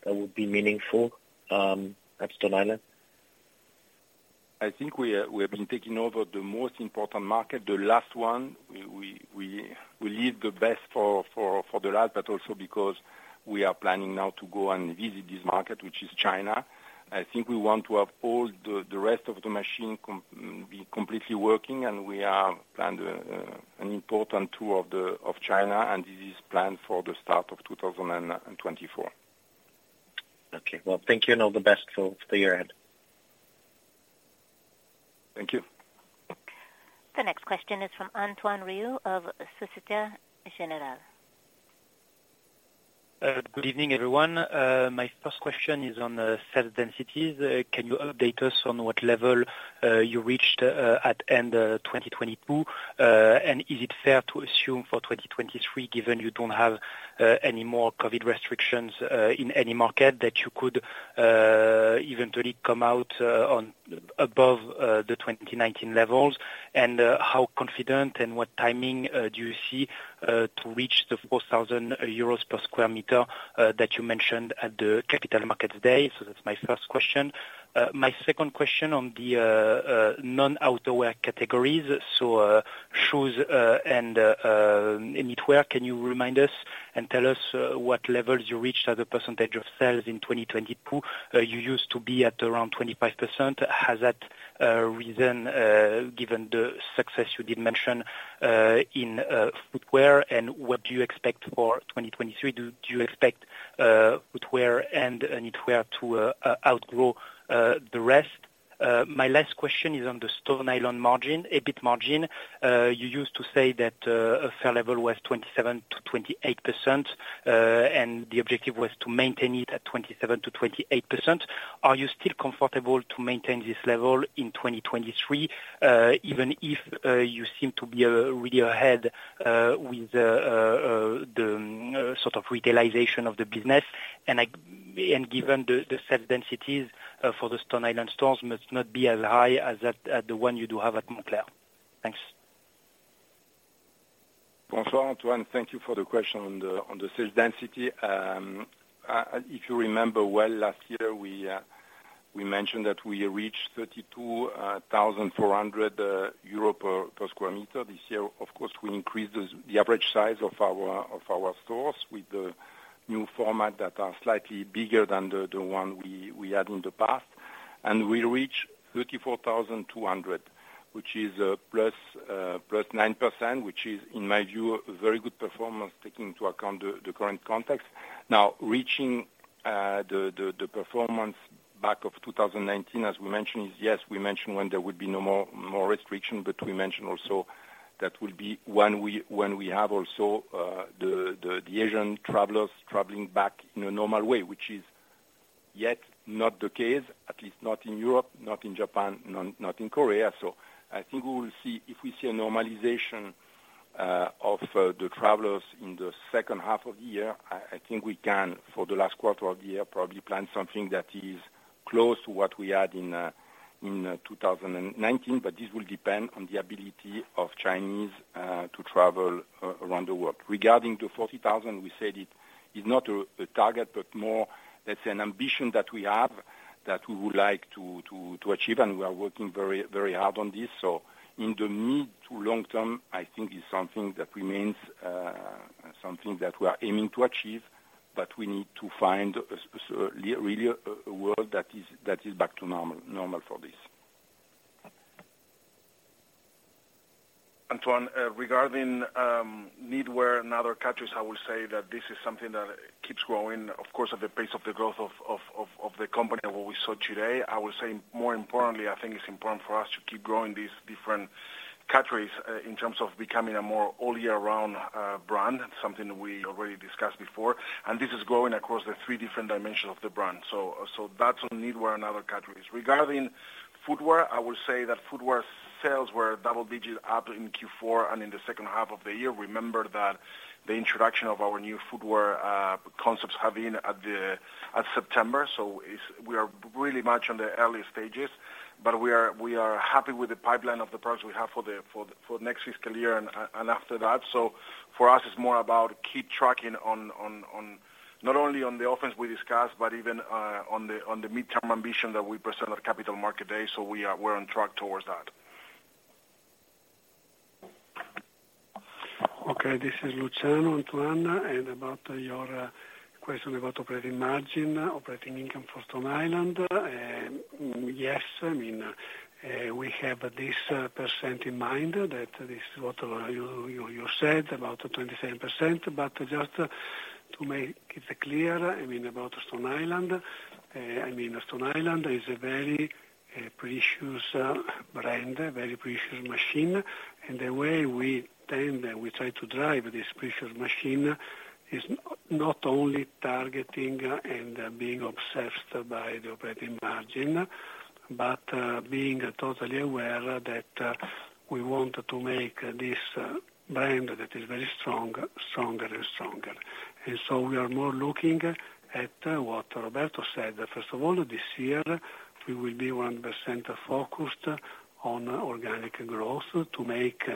that would be meaningful, at Stone Island? I think we are, we have been taking over the most important market. The last one, we leave the best for the last, but also because we are planning now to go and visit this market, which is China. I think we want to have all the rest of the machine be completely working, and we have planned an important tour of China, and this is planned for the start of 2024. Okay. Well, thank you and all the best for the year ahead. Thank you. The next question is from Antoine Riou of Societe Generale. Good evening, everyone. My first question is on the sales densities. Can you update us on what level you reached at end of 2022? Is it fair to assume for 2023, given you don't have any more COVID restrictions in any market, that you could eventually come out on above the 2019 levels? How confident and what timing do you see to reach the 4,000 euros per sq m that you mentioned at the Capital Markets Day? That's my first question. My second question on the non-outdoor wear categories. Shoes and knitwear. Can you remind us and tell us what levels you reached as a % of sales in 2022? You used to be at around 25%. Has that risen given the success you did mention in footwear? What do you expect for 2023? Do you expect footwear and knitwear to outgrow the rest? My last question is on the Stone Island margin, EBIT margin. You used to say that a fair level was 27%-28%, and the objective was to maintain it at 27%-28%. Are you still comfortable to maintain this level in 2023, even if you seem to be really ahead with the sort of retailization of the business? Given the sales densities for the Stone Island stores must not be as high as that, the one you do have at Moncler. Thanks. Antoine, thank you for the question on the sales density. If you remember well last year, we mentioned that we reached 32,400 euro per sq m. This year, of course, we increased the average size of our stores with the new format that are slightly bigger than the one we had in the past. We reach 34,200, which is plus 9%, which is, in my view, a very good performance, taking into account the current context. Reaching the performance back of 2019, as we mentioned, is yes, we mentioned when there would be no more restriction, but we mentioned also that will be when we have also the Asian travelers traveling back in a normal way, which is yet not the case, at least not in Europe, not in Japan, not in Korea. I think we will see, if we see a normalization of the travelers in the second half of the year, I think we can, for the last quarter of the year, probably plan something that is close to what we had in 2019. This will depend on the ability of Chinese to travel around the world. Regarding the 40,000, we said it is not a target, but more, let's say, an ambition that we have. We would like to achieve. We are working very hard on this. In the mid to long term, I think it's something that remains something that we are aiming to achieve, we need to find a really a world that is back to normal for this. Antoine, regarding knitwear and other categories, I will say that this is something that keeps growing, of course, at the pace of the growth of the company and what we saw today. I will say more importantly, I think it's important for us to keep growing these different categories in terms of becoming a more all year round brand, something we already discussed before. This is growing across the three different dimensions of the brand. That's on knitwear and other categories. Regarding footwear, I will say that footwear sales were double digits up in Q4 and in the second half of the year. Remember that the introduction of our new footwear concepts have been at September, we are really much on the early stages. We are happy with the pipeline of the products we have for the next fiscal year and after that. For us, it's more about keep tracking on not only on the offense we discussed, but even on the midterm ambition that we present at Capital Markets Day. We are, we're on track towards that. This is Luciano, Antoine. About your question about operating margin, operating income for Stone Island, yes. I mean, we have this percent in mind that this is what you said about the 27%. Just to make it clear, I mean, about Stone Island, I mean, Stone Island is a very precious brand, a very precious machine. The way we try to drive this precious machine is not only targeting and being obsessed by the operating margin, but being totally aware that we want to make this brand that is very strong, stronger and stronger. We are more looking at what Roberto said. First of all, this year, we will be 100% focused on organic growth to make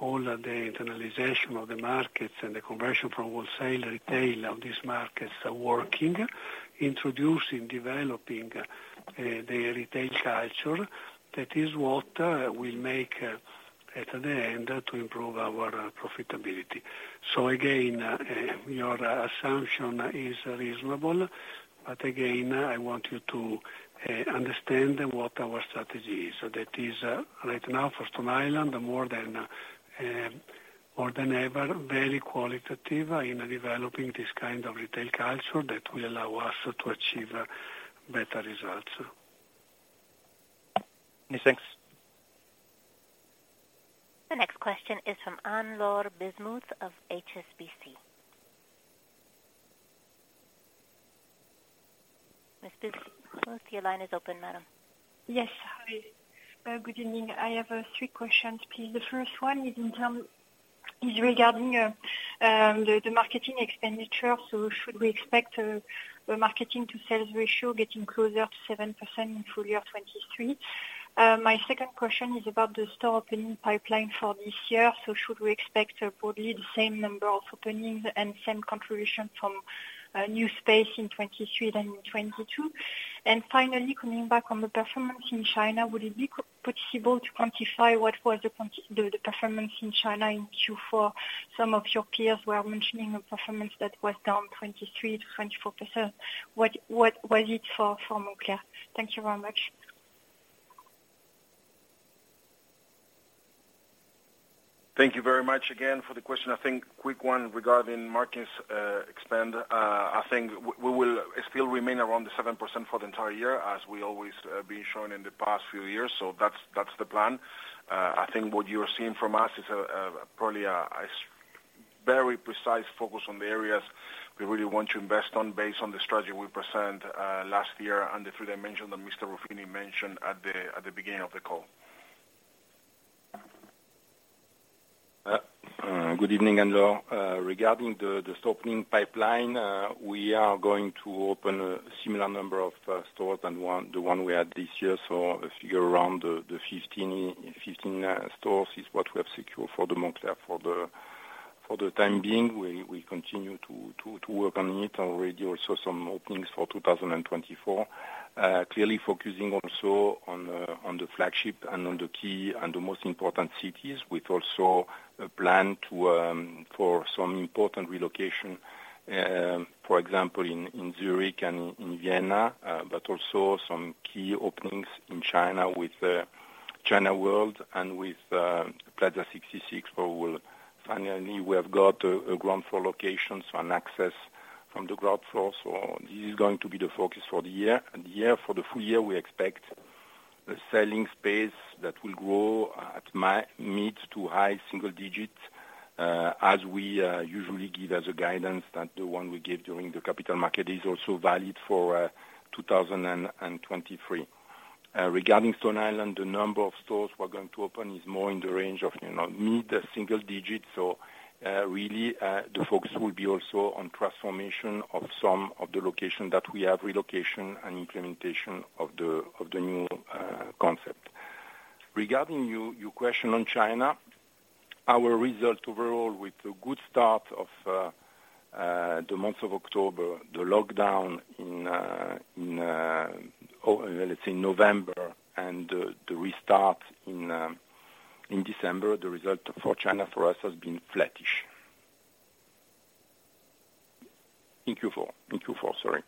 all the internalization of the markets and the conversion from wholesale to retail of these markets working, introducing, developing, the retail culture. That is what we make at the end to improve our profitability. Again, your assumption is reasonable. Again, I want you to understand what our strategy is. That is, right now for Stone Island, more than ever, very qualitative in developing this kind of retail culture that will allow us to achieve better results. Yes, thanks. The next question is from Anne-Laure Bismuth of HSBC. Miss Bismuth, your line is open, madam. Yes. Hi. Good evening. I have three questions, please. The first one is regarding the marketing expenditure. Should we expect a marketing to sales ratio getting closer to 7% in full year 2023? My second question is about the store opening pipeline for this year. Should we expect probably the same number of openings and same contribution from new space in 2023 than in 2022? Finally, coming back on the performance in China, would it be possible to quantify what was the performance in China in Q4? Some of your peers were mentioning a performance that was down 23%-24%. What was it for Moncler? Thank you very much. Thank you very much again for the question. I think quick one regarding markets, expand. I think we will still remain around the 7% for the entire year as we always been shown in the past few years. That's the plan. I think what you are seeing from us is a probably a very precise focus on the areas we really want to invest on based on the strategy we present last year and the three dimension that Mr. Ruffini mentioned at the beginning of the call. Good evening, Anne-Laure. Regarding the store opening pipeline, we are going to open a similar number of stores than one, the one we had this year. A figure around the 15 stores is what we have secured for Moncler for the time being. We continue to work on it. Already also some openings for 2024. Clearly focusing also on the flagship and on the key and the most important cities, with also a plan to for some important relocation, for example, in Zurich and in Vienna, but also some key openings in China with China World and with Plaza 66, where we'll finally we have got a ground floor location, so an access from the ground floor. This is going to be the focus for the year. The year, for the full year, we expect a selling space that will grow at mid to high single digits, as we usually give as a guidance. That the one we give during the capital market is also valid for 2023. Regarding Stone Island, the number of stores we're going to open is more in the range of, you know, mid-single digits. Really, the focus will be also on transformation of some of the location that we have, relocation and implementation of the new concept. Regarding your question on China, our result overall with the good start of the month of October, the lockdown in well, let's say November and the restart in December, the result for China for us has been flattish. In Q4. In Q4, sorry.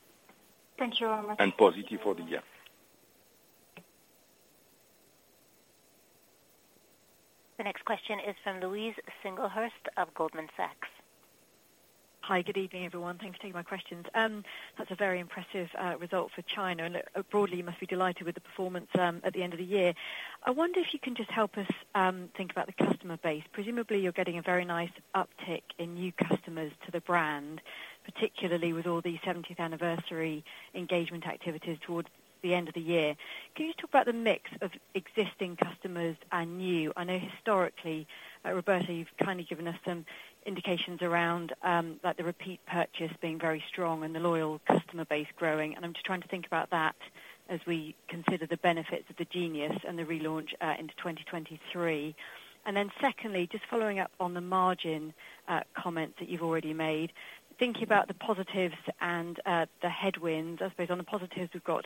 Thank you very much. Positive for the year. The next question is from Louise Singlehurst of Goldman Sachs. Hi, good evening, everyone. Thanks for taking my questions. That's a very impressive result for China, and broadly, you must be delighted with the performance at the end of the year. I wonder if you can just help us think about the customer base. Presumably, you're getting a very nice uptick in new customers to the brand, particularly with all the seventieth anniversary engagement activities towards the end of the year. Can you talk about the mix of existing customers and new? I know historically, Roberto, you've kind of given us some indications around like the repeat purchase being very strong and the loyal customer base growing. I'm just trying to think about that as we consider the benefits of the Genius and the relaunch into 2023. Secondly, just following up on the margin comments that you've already made. Thinking about the positives and the headwinds, I suppose on the positives, we've got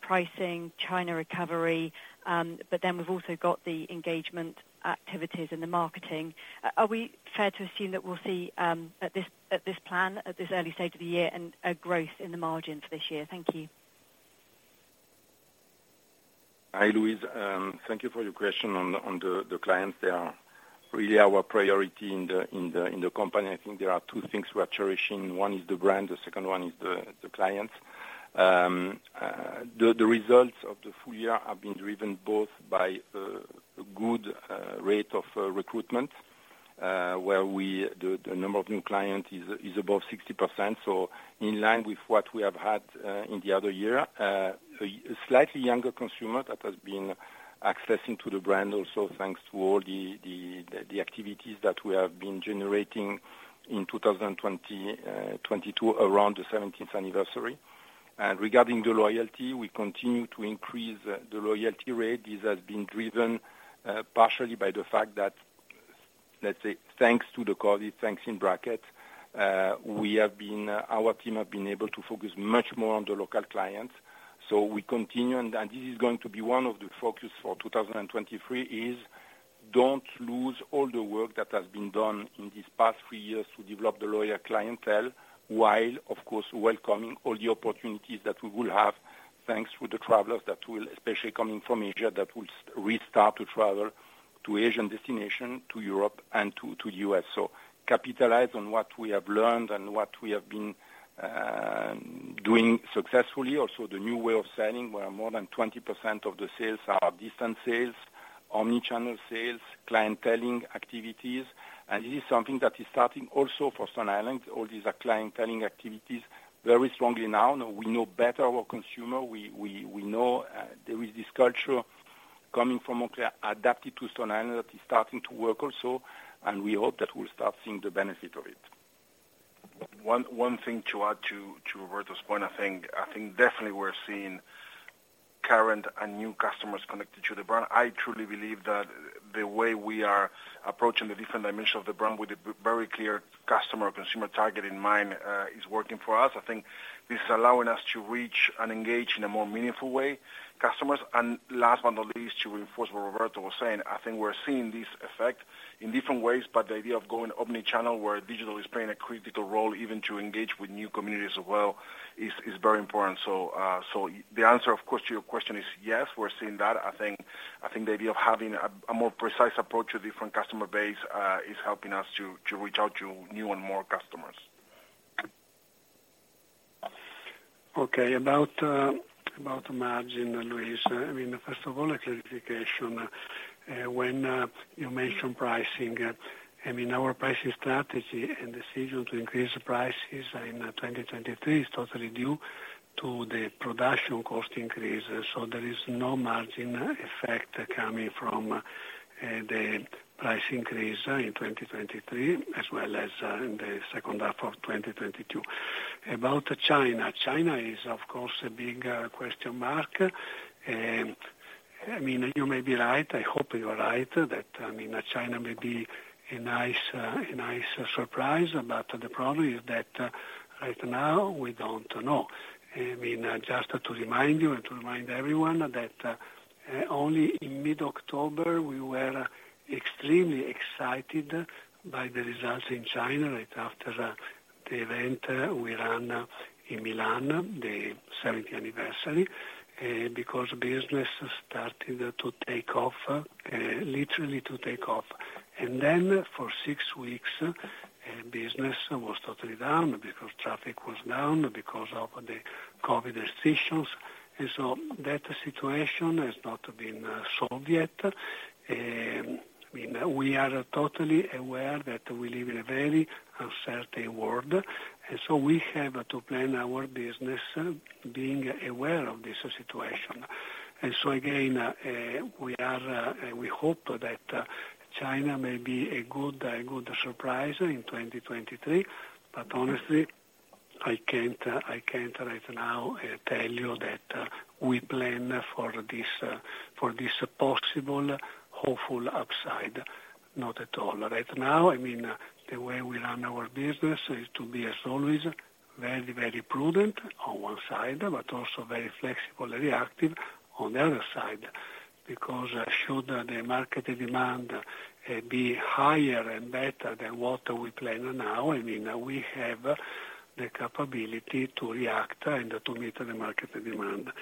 pricing, China recovery. We've also got the engagement activities in the marketing. Are we fair to assume that we'll see, at this, at this plan at this early stage of the year and a growth in the margins this year? Thank you. Hi, Louise. Thank you for your question on the clients. They are really our priority in the company. I think there are two things we are cherishing. One is the brand, the second one is the clients. The results of the full year have been driven both by good rate of recruitment, the number of new clients is above 60%, so in line with what we have had in the other year. A slightly younger consumer that has been accessing to the brand also thanks to all the activities that we have been generating in 2022 around the 70th anniversary. Regarding the loyalty, we continue to increase the loyalty rate. This has been driven partially by the fact that, let's say, thanks to the COVID, thanks in bracket, our team have been able to focus much more on the local clients. We continue, and this is going to be one of the focus for 2023 is don't lose all the work that has been done in these past three years to develop the loyal clientele, while of course welcoming all the opportunities that we will have thanks to the travelers that will especially coming from Asia, that will restart to travel to Asian destination, to Europe and to US. Capitalize on what we have learned and what we have been doing successfully. Also, the new way of selling, where more than 20% of the sales are distant sales, omnichannel sales, clienteling activities. This is something that is starting also for Stone Island. All these are clienteling activities very strongly now. Now we know better our consumer. We know there is this culture coming from Moncler adapted to Stone Island that is starting to work also, and we hope that will start seeing the benefit of it. One thing to add to Roberto's point, I think definitely we're seeing current and new customers connected to the brand. I truly believe that the way we are approaching the different dimension of the brand with a very clear customer consumer target in mind is working for us. I think this is allowing us to reach and engage in a more meaningful way, customers. Last but not least, to reinforce what Roberto was saying, I think we're seeing this effect in different ways. The idea of going omnichannel, where digital is playing a critical role even to engage with new communities as well, is very important. The answer, of course, to your question is yes, we're seeing that. I think the idea of having a more precise approach to different customer base is helping us to reach out to new and more customers. Okay. About, about margin, Louise, I mean, first of all, a clarification. When, you mention pricing, I mean, our pricing strategy and decision to increase prices in 2023 is totally due to the production cost increases. There is no margin effect coming from the price increase in 2023 as well as in the second half of 2022. About China. China is, of course, a big question mark. I mean, you may be right, I hope you are right, that, I mean, China may be a nice, a nice surprise, but the problem is that right now we don't know. I mean, just to remind you and to remind everyone that, only in mid-October we were extremely excited by the results in China, right after the event we ran in Milan, the seventieth anniversary, because business started to take off, literally to take off. For six weeks, business was totally down because traffic was down because of the COVID restrictions. That situation has not been solved yet. I mean, we are totally aware that we live in a very uncertain world, we have to plan our business being aware of this situation. Again, we are, we hope that China may be a good, a good surprise in 2023. Honestly I can't right now tell you that we plan for this possible hopeful upside. Not at all. Right now, I mean, the way we run our business is to be, as always, very, very prudent on one side, but also very flexible and reactive on the other side. Because should the market demand be higher and better than what we plan now, I mean, we have the capability to react and to meet the market demand.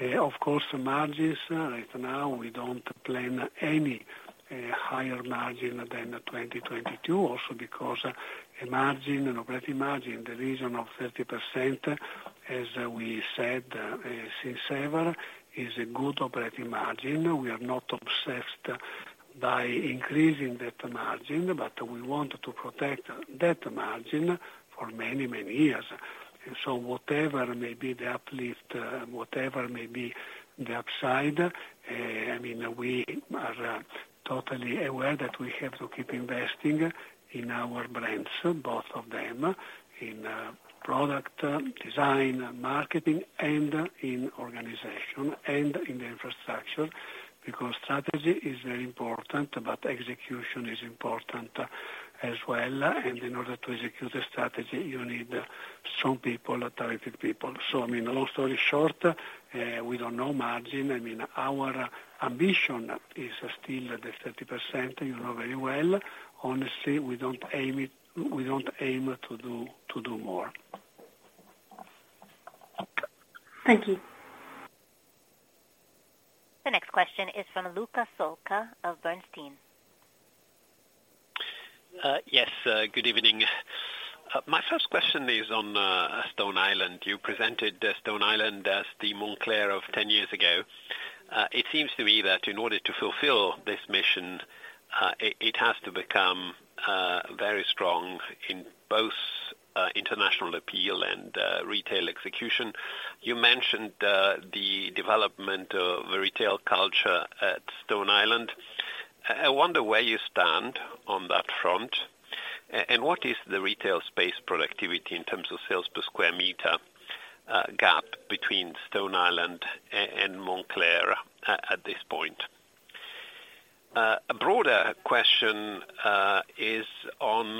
Of course, margins right now, we don't plan any higher margin than 2022. Also, because a margin, an operating margin in the region of 30%, as we said, since ever, is a good operating margin. We are not obsessed by increasing that margin, but we want to protect that margin for many, many years. Whatever may be the uplift, whatever may be the upside, I mean, we are totally aware that we have to keep investing in our brands, both of them, in product design, marketing, and in organization, and in the infrastructure. Strategy is very important, but execution is important as well. In order to execute a strategy, you need some people, talented people. I mean, long story short, we don't know margin. I mean, our ambition is still the 30%, you know very well. Honestly, we don't aim to do more. Thank you. The next question is from Luca Solca of Bernstein. Yes, good evening. My first question is on Stone Island. You presented Stone Island as the Moncler of 10 years ago. It seems to me that in order to fulfill this mission, it has to become very strong in both international appeal and retail execution. You mentioned the development of the retail culture at Stone Island. I wonder where you stand on that front, and what is the retail space productivity in terms of sales per square meter, gap between Stone Island and Moncler at this point? A broader question is on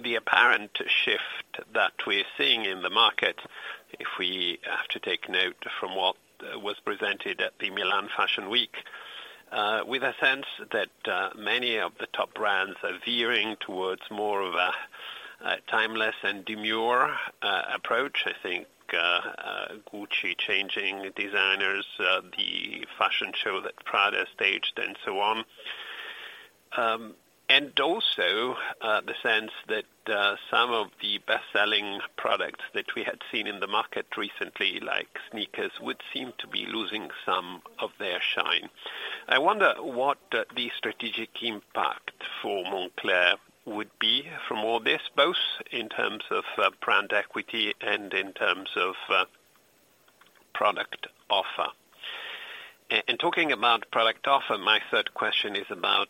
the apparent shift that we're seeing in the market, if we have to take note from what was presented at the Milan Fashion Week, with a sense that many of the top brands are veering towards more of a timeless and demure approach. I think Gucci changing designers, the fashion show that Prada staged and so on. The sense that some of the best-selling products that we had seen in the market recently, like sneakers, would seem to be losing some of their shine. I wonder what the strategic impact for Moncler would be from all this, both in terms of brand equity and in terms of product offer. Talking about product offer, my third question is about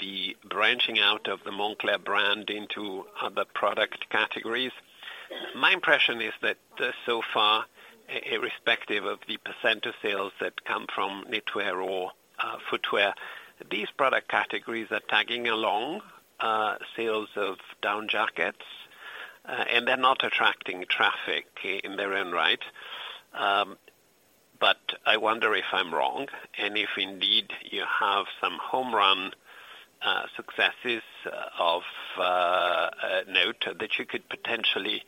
the branching out of the Moncler brand into other product categories. My impression is that so far, irrespective of the % of sales that come from knitwear or footwear, these product categories are tagging along sales of down jackets, and they're not attracting traffic in their own right. I wonder if I'm wrong, and if indeed you have some home run successes of note that you could potentially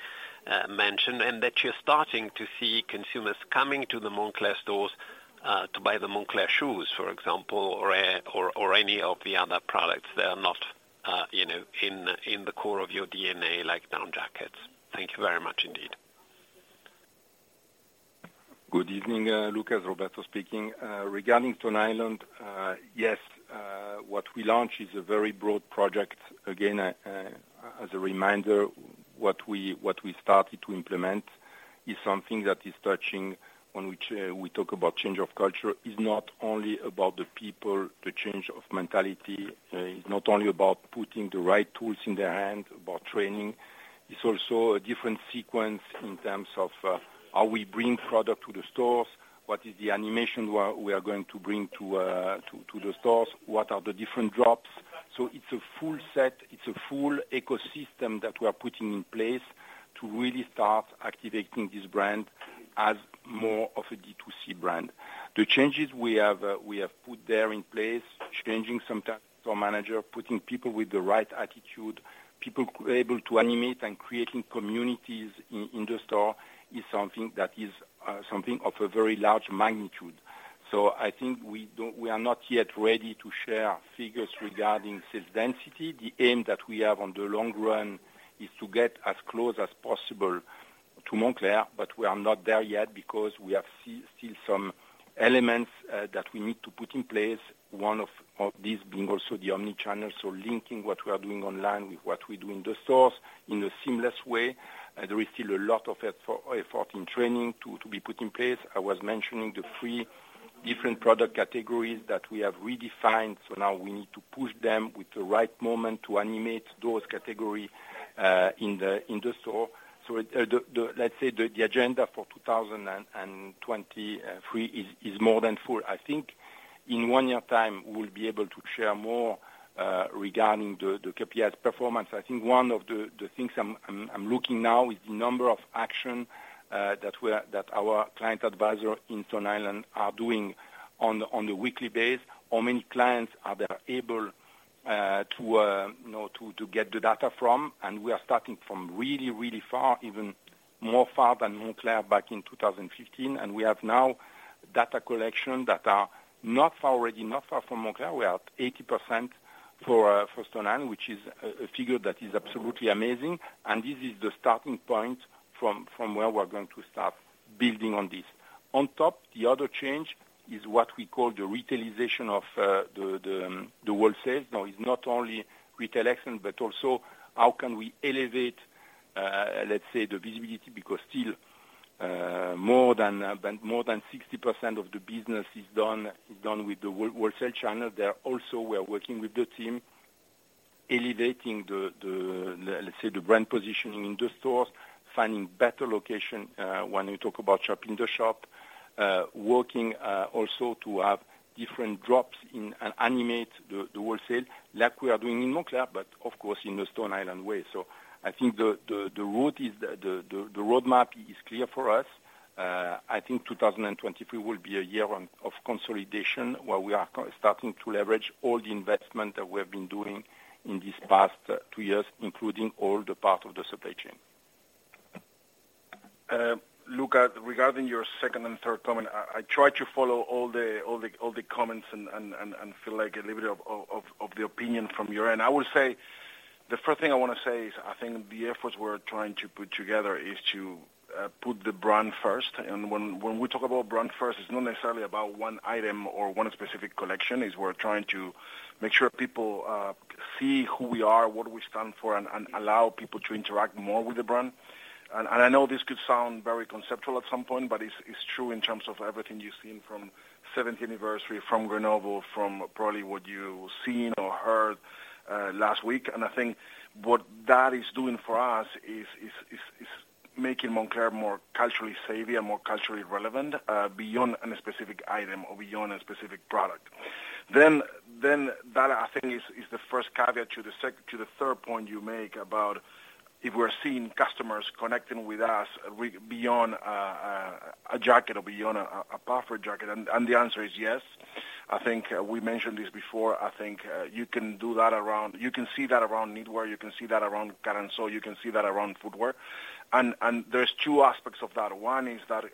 mention, and that you're starting to see consumers coming to the Moncler stores to buy the Moncler shoes, for example, or any of the other products that are not, you know, in the core of your DNA, like down jackets. Thank you very much indeed. Good evening, Luca. Roberto speaking. Regarding Stone Island, yes, what we launched is a very broad project. Again, as a reminder, what we started to implement is something that is touching on which we talk about change of culture. It's not only about the people, the change of mentality. It's not only about putting the right tools in their hand, about training. It's also a different sequence in terms of how we bring product to the stores, what is the animation we are going to bring to the stores, what are the different drops. It's a full set, it's a full ecosystem that we are putting in place to really start activating this brand as more of a D2C brand. The changes we have, we have put there in place, changing sometimes store manager, putting people with the right attitude, people able to animate and creating communities in the store is something that is something of a very large magnitude. I think we are not yet ready to share figures regarding sales density. The aim that we have on the long run is to get as close as possible to Moncler, but we are not there yet because we have still some elements that we need to put in place, one of these being also the omnichannel. Linking what we are doing online with what we do in the stores in a seamless way. There is still a lot of effort in training to be put in place. I was mentioning the three Different product categories that we have redefined. Now we need to push them with the right moment to animate those category in the store. The, let's say the agenda for 2023 is more than full. I think in one year time, we'll be able to share more regarding the KPIs performance. I think one of the things I'm looking now is the number of action that our client advisor in Stone Island are doing on a weekly base. How many clients are they able to, you know, to get the data from. We are starting from really far, even more far than Moncler back in 2015. We have now data collection that are not far, already not far from Moncler. We are at 80% for Stone Island, which is a figure that is absolutely amazing. This is the starting point from where we're going to start building on this. On top, the other change is what we call the retailization of the wholesale. Now, it's not only retail action, but also how can we elevate, let's say the visibility because still, more than 60% of the business is done with the wholesale channel. There also, we are working with the team elevating the let's say, the brand positioning in the stores, finding better location, when we talk about shop in the shop, working also to have different drops in and animate the wholesale like we are doing in Moncler, but of course in the Stone Island way. I think the route is the roadmap is clear for us. I think 2023 will be a year of consolidation, where we are co-starting to leverage all the investment that we have been doing in this past two years, including all the part of the supply chain. Luca, regarding your second and third comment, I tried to follow all the comments and feel like a little bit of the opinion from your end. I would say the first thing I wanna say is I think the efforts we're trying to put together is to put the brand first. When we talk about brand first, it's not necessarily about one item or one specific collection. It's we're trying to make sure people see who we are, what we stand for, and allow people to interact more with the brand. I know this could sound very conceptual at some point, but it's true in terms of everything you've seen from 70th anniversary, from Grenoble, from probably what you seen or heard last week. I think what that is doing for us is making Moncler more culturally savvy and more culturally relevant beyond any specific item or beyond a specific product. That I think is the first caveat to the third point you make about if we're seeing customers connecting with us beyond a jacket or beyond a puffer jacket. The answer is yes. I think we mentioned this before. I think you can do that around, you can see that around knitwear, you can see that around cut and sew, you can see that around footwear. There's two aspects of that. One is that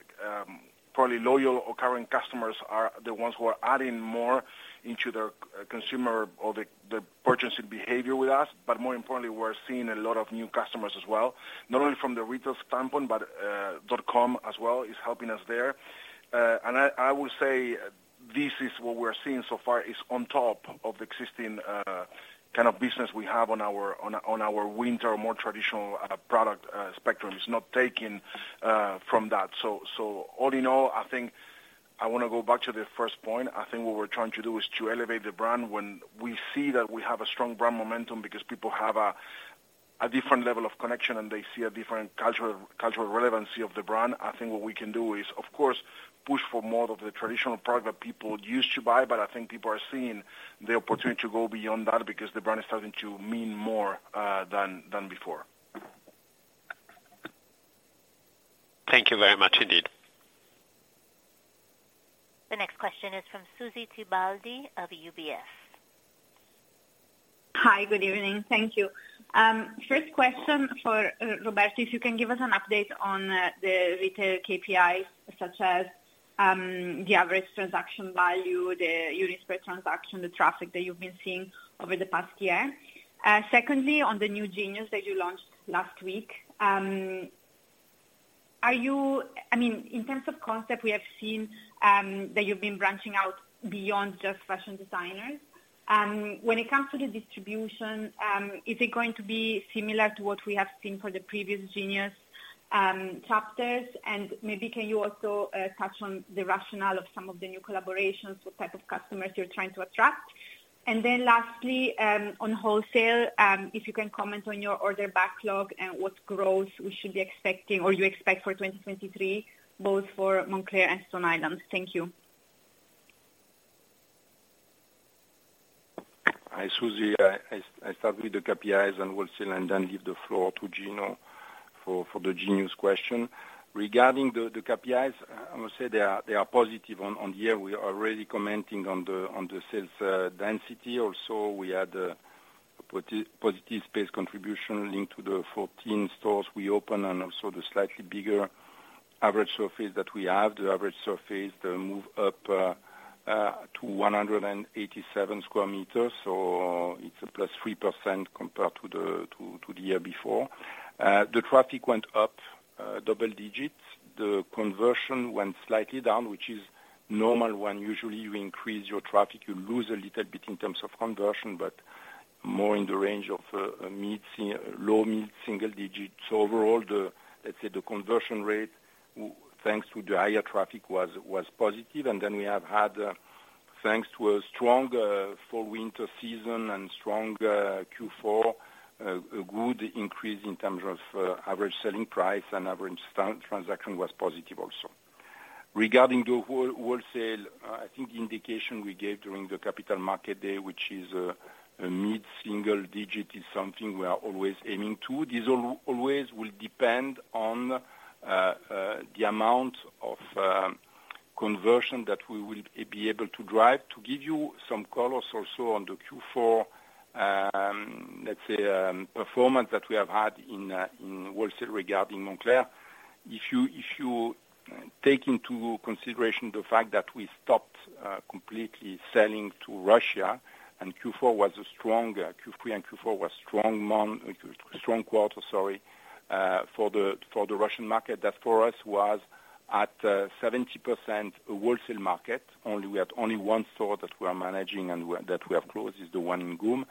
probably loyal or current customers are the ones who are adding more into their consumer or the purchasing behavior with us. More importantly, we're seeing a lot of new customers as well, not only from the retail standpoint, but dot-com as well is helping us there. I will say this is what we're seeing so far is on top of the existing kind of business we have on our winter, more traditional product spectrum. It's not taking from that. All in all, I think I wanna go back to the first point. I think what we're trying to do is to elevate the brand. When we see that we have a strong brand momentum because people have a different level of connection, and they see a different cultural relevancy of the brand, I think what we can do is, of course, push for more of the traditional product that people used to buy. I think people are seeing the opportunity to go beyond that because the brand is starting to mean more than before. Thank you very much indeed. The next question is from Susy Tibaldi of UBS. Hi, good evening. Thank you. First question for Roberto, if you can give us an update on the retail KPIs, such as the average transaction value, the units per transaction, the traffic that you've been seeing over the past year. Secondly, on the new Moncler Genius that you launched last week, I mean, in terms of concept, we have seen that you've been branching out beyond just fashion designers. When it comes to the distribution, is it going to be similar to what we have seen for the previous Moncler Genius chapters? Maybe can you also touch on the rationale of some of the new collaborations, what type of customers you're trying to attract? Lastly, on wholesale, if you can comment on your order backlog and what growth we should be expecting or you expect for 2023, both for Moncler and Stone Island. Thank you. Hi, Susy. I start with the KPIs and wholesale and then leave the floor to Gino for the Genius question. Regarding the KPIs, I must say they are positive on the year. We are already commenting on the sales density. Also, we had positive space contribution linked to the 14 stores we opened and also the slightly bigger average surface that we have. The average surface move up to 187 sq m, so it's a +3% compared to the year before. The traffic went up double digits. The conversion went slightly down, which is normal when usually you increase your traffic, you lose a little bit in terms of conversion. More in the range of a low mid-single digits. Overall, the, let's say, the conversion rate, thanks to the higher traffic was positive. We have had, thanks to a strong fall winter season and strong Q4, a good increase in terms of average selling price and average transaction was positive also. Regarding the whole wholesale, I think the indication we gave during the Capital Market Day, which is a mid-single digit, is something we are always aiming to. These always will depend on the amount of conversion that we will be able to drive. To give you some colors also on the Q4 performance that we have had in wholesale regarding Moncler, if you, if you take into consideration the fact that we stopped completely selling to Russia, and Q4 was a strong, Q3 and Q4 were strong quarter, sorry, for the Russian market, that for us was at 70% wholesale market. Only we had only one store that we are managing and that we have closed is the one in GUM.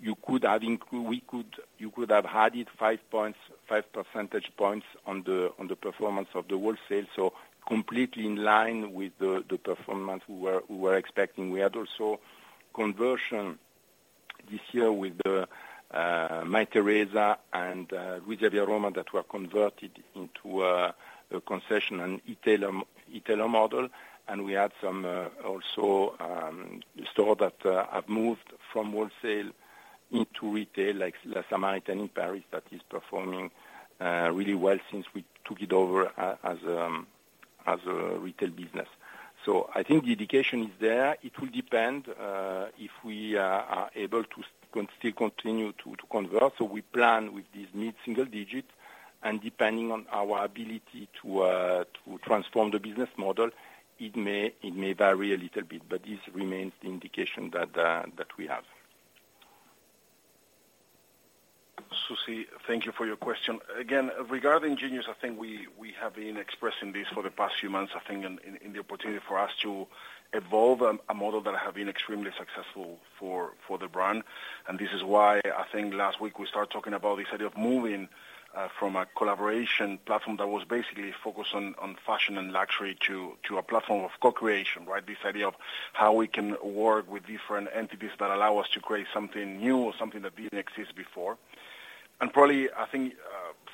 You could have added five points, five percentage points on the performance of the wholesale. Completely in line with the performance we were expecting. We had also conversion this year with Mytheresa and Luisaviaroma that were converted into a concession and e-tailer model. We had some also store that have moved from wholesale into retail, like Le Samaritaine in Paris, that is performing really well since we took it over as a retail business. I think the indication is there. It will depend if we are able to still continue to convert. We plan with this mid-single digit, and depending on our ability to transform the business model, it may vary a little bit, but this remains the indication that we have. Susy, thank you for your question. Regarding Genius, I think we have been expressing this for the past few months, I think in the opportunity for us to evolve a model that have been extremely successful for the brand. This is why I think last week we started talking about this idea of moving from a collaboration platform that was basically focused on fashion and luxury to a platform of co-creation, right? This idea of how we can work with different entities that allow us to create something new or something that didn't exist before. Probably, I think,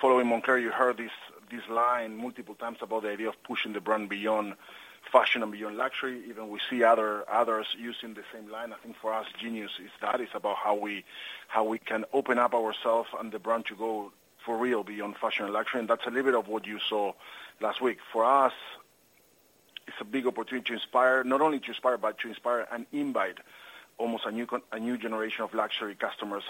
following Moncler, you heard this line multiple times about the idea of pushing the brand beyond fashion and beyond luxury. Even we see others using the same line. I think for us, Genius is that. It's about how we can open up ourselves and the brand to go for real beyond fashion and luxury. That's a little bit of what you saw last week. For us, it's a big opportunity to inspire, not only to inspire, but to inspire and invite almost a new generation of luxury customers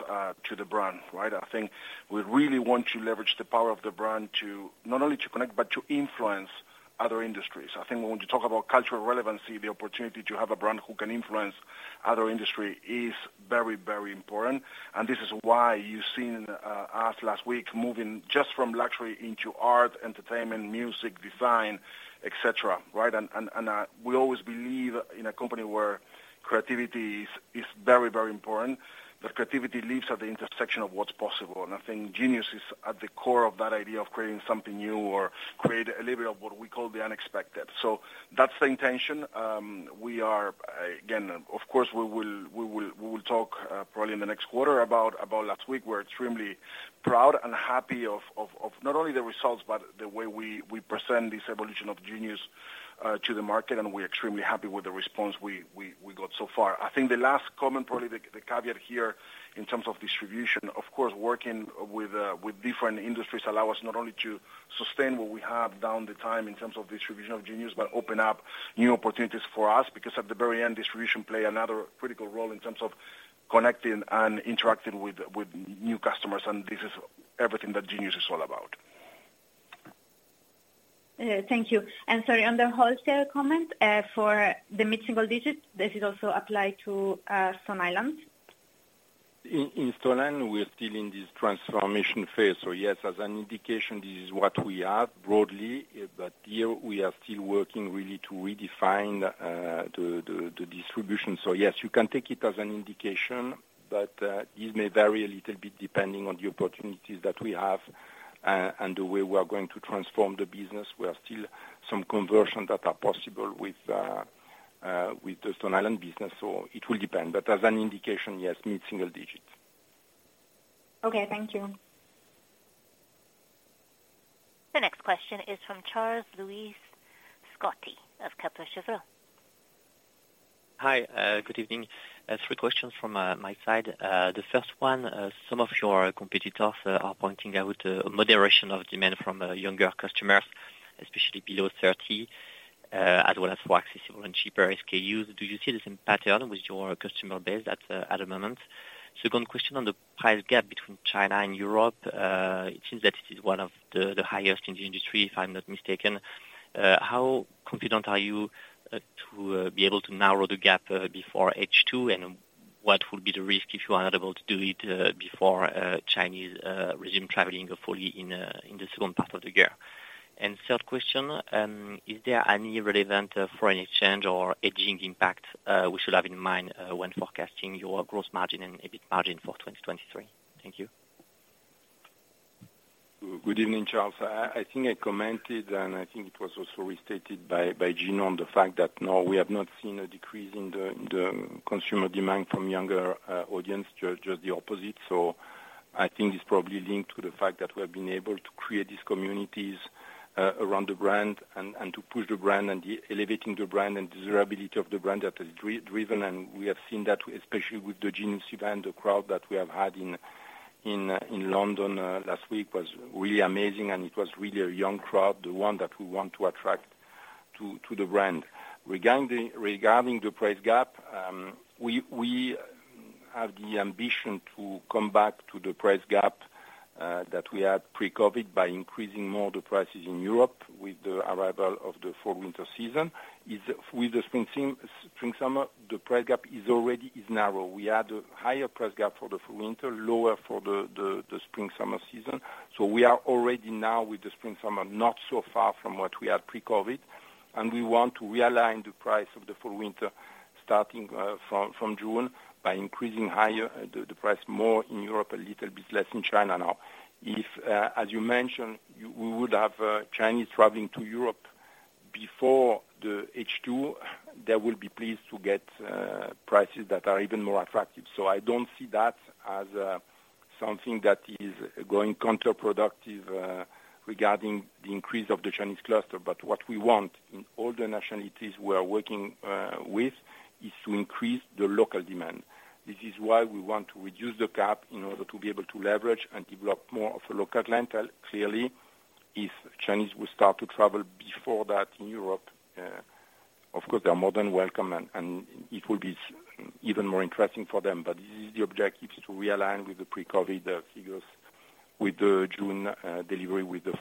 to the brand, right? I think we really want to leverage the power of the brand to not only to connect, but to influence other industries. I think when we talk about cultural relevancy, the opportunity to have a brand who can influence other industry is very, very important. This is why you've seen us last week moving just from luxury into art, entertainment, music, design, et cetera, right? We always believe in a company where creativity is very, very important. That creativity lives at the intersection of what's possible. I think Genius is at the core of that idea of creating something new or create a little bit of what we call the unexpected. That's the intention. We are again, of course, we will talk probably in the next quarter about last week. We're extremely proud and happy of not only the results, but the way we present this evolution of Genius to the market, and we're extremely happy with the response we got so far. I think the last comment, probably the caveat here in terms of distribution, of course, working with different industries allow us not only to sustain what we have down the time in terms of distribution of Genius, but open up new opportunities for us because at the very end, distribution play another critical role in terms of connecting and interacting with new customers. This is everything that Genius is all about. Thank you. Sorry, on the wholesale comment, for the mid-single digits, does it also apply to Stone Island? In Stone Island, we are still in this transformation phase. Yes, as an indication, this is what we have broadly, here we are still working really to redefine the distribution. Yes, you can take it as an indication, it may vary a little bit depending on the opportunities that we have and the way we are going to transform the business. We are still some conversion that are possible with the Stone Island business, it will depend. As an indication, yes, mid-single digits. Okay, thank you. The next question is from Charles-Louis Scotti of Kepler Cheuvreux. Hi. Good evening. Three questions from my side. The first one, some of your competitors, are pointing out a moderation of demand from younger customers, especially below 30, as well as for accessible and cheaper SKUs. Do you see the same pattern with your customer base at the moment? Second question on the price gap between China and Europe. It seems that it is one of the highest in the industry, if I'm not mistaken? How confident are you to be able to narrow the gap before H2? What will be the risk if you are not able to do it, before Chinese resume traveling fully in the second part of the year? Third question, is there any relevant foreign exchange or hedging impact we should have in mind when forecasting your gross margin and EBIT margin for 2023? Thank you. Good evening, Charles. I think I commented, and I think it was also restated by Gino, on the fact that, no, we have not seen a decrease in the consumer demand from younger audience. Just the opposite. I think it's probably linked to the fact that we have been able to create these communities around the brand and to push the brand and the elevating the brand and desirability of the brand that is driven. We have seen that especially with the Genius event, the crowd that we have had in London last week was really amazing, and it was really a young crowd, the one that we want to attract to the brand. Regarding the price gap, we have the ambition to come back to the price gap that we had pre-COVID by increasing more the prices in Europe with the arrival of the fall/winter season. With the spring/summer, the price gap is already narrow. We had higher price gap for the winter, lower for the spring/summer season. We are already now with the spring/summer, not so far from what we had pre-COVID. We want to realign the price of the fall/winter starting from June by increasing higher the price more in Europe, a little bit less in China now. If, as you mentioned, we would have Chinese traveling to Europe before the H2, they will be pleased to get prices that are even more attractive. I don't see that as something that is going counterproductive regarding the increase of the Chinese cluster. What we want in all the nationalities we are working with, is to increase the local demand. This is why we want to reduce the gap in order to be able to leverage and develop more of a local clientele. Clearly, if Chinese will start to travel before that in Europe, of course they are more than welcome and it will be even more interesting for them. This is the objective, is to realign with the pre-COVID figures with the June delivery with the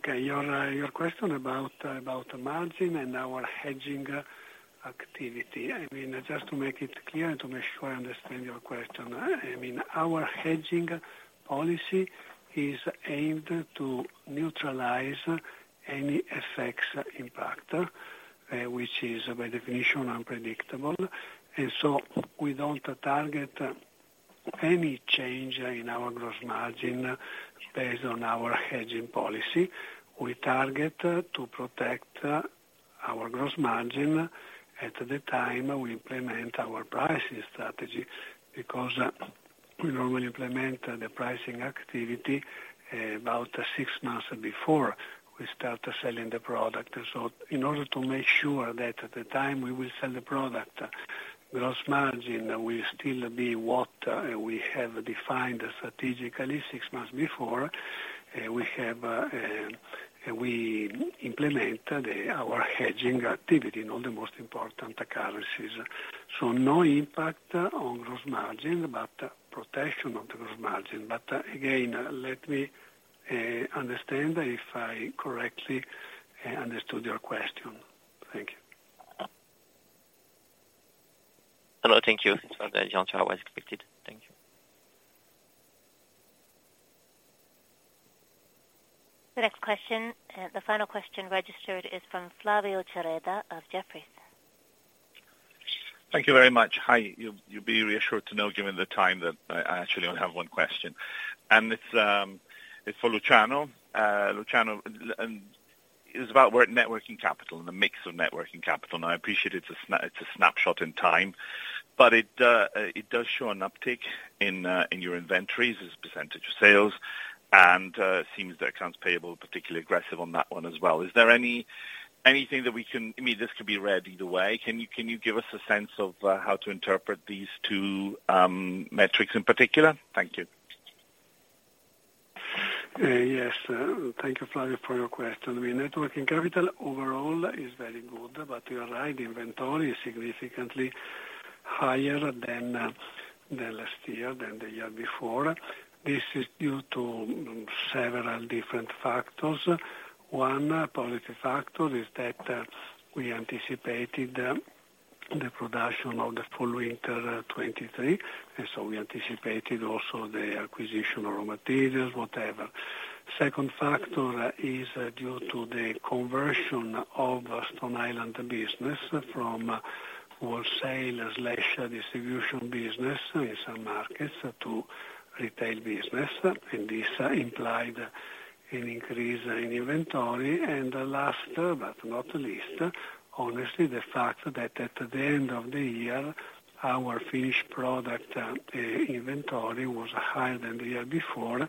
fall/winter. Your question about the margin and our hedging activity. I mean, just to make it clear, to make sure I understand your question. I mean, our hedging policy is aimed to neutralize any effects impact, which is by definition unpredictable. We don't target any change in our gross margin based on our hedging policy. We target to protect our gross margin at the time we implement our pricing strategy, because we normally implement the pricing activity about six months before we start selling the product. In order to make sure that at the time we will sell the product, gross margin will still be what we have defined strategically six months before, we implement our hedging activity in all the most important occurrences. No impact on gross margin, but protection of the gross margin. Again, let me understand if I correctly understood your question. Thank you. Hello. Thank you. It's from the Jean Charles as expected. Thank you. The next question, the final question registered is from Flavio Cereda of Jefferies. Thank you very much. Hi. You'll be reassured to know, given the time, that I actually only have one question. It's for Luciano. Luciano, it's about work networking capital and the mix of networking capital. I appreciate it's a snapshot in time, but it does show an uptick in your inventories as a percentage of sales, and it seems the accounts payable particularly aggressive on that one as well. Is there anything that we can... I mean, this could be read either way. Can you give us a sense of how to interpret these two metrics in particular? Thank you. Yes. Thank you Flavio for your question. I mean, networking capital overall is very good. You're right, inventory is significantly higher than last year, than the year before. This is due to several different factors. One positive factor is that we anticipated the production of the fall/winter 2023, and so we anticipated also the acquisition of raw materials, whatever. Second factor is due to the conversion of Stone Island business from wholesale/distribution business in some markets to retail business, and this implied an increase in inventory. The last, but not least, honestly, the fact that at the end of the year, our finished product, inventory was higher than the year before,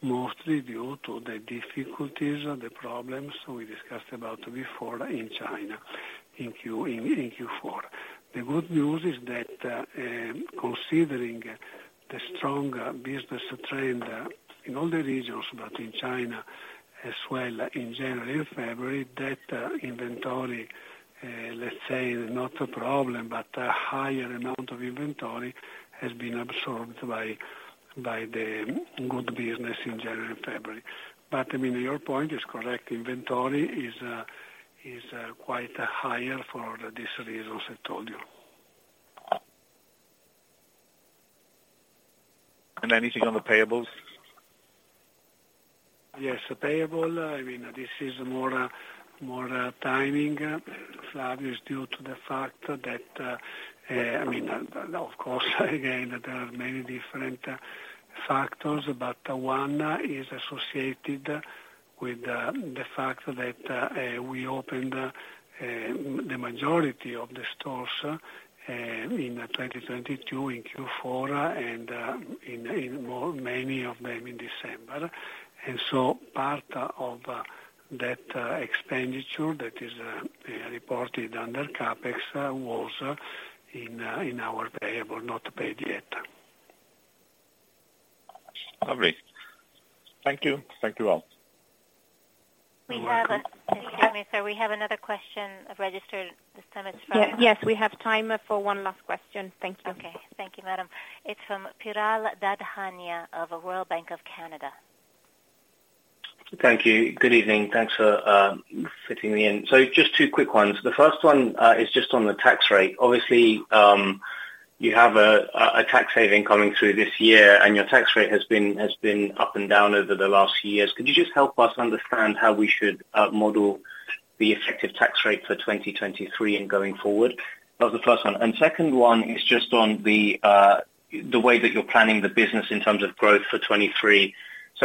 mostly due to the difficulties, the problems we discussed about before in China in Q4. The good news is that, considering the strong business trend in all the regions, but in China as well, in January and February, that inventory, let's say is not a problem, but a higher amount of inventory has been absorbed by the good business in January and February. I mean, your point is correct. Inventory is quite higher for these reasons I told you. Anything on the payables? Yes. The payable, I mean this is more, more timing, Flavio, due to the fact that, I mean of course again, there are many different factors, but one is associated with the fact that we opened the majority of the stores in 2022 in Q4 and many of them in December. Part of that expenditure that is reported under CapEx was in our variable not paid yet. Lovely. Thank you. Thank you all. Excuse me, sir, we have another question registered. This time it's from-. Yes, we have time for one last question. Thank you. Okay. Thank you madam. It's from Piral Dadhania of Royal Bank of Canada. Thank you. Good evening. Thanks for fitting me in. Just two quick ones. The first one is just on the tax rate. Obviously, you have a tax saving coming through this year, and your tax rate has been up and down over the last years. Could you just help us understand how we should model the effective tax rate for 2023 and going forward? That was the first one. Second one is just on the way that you're planning the business in terms of growth for 2023.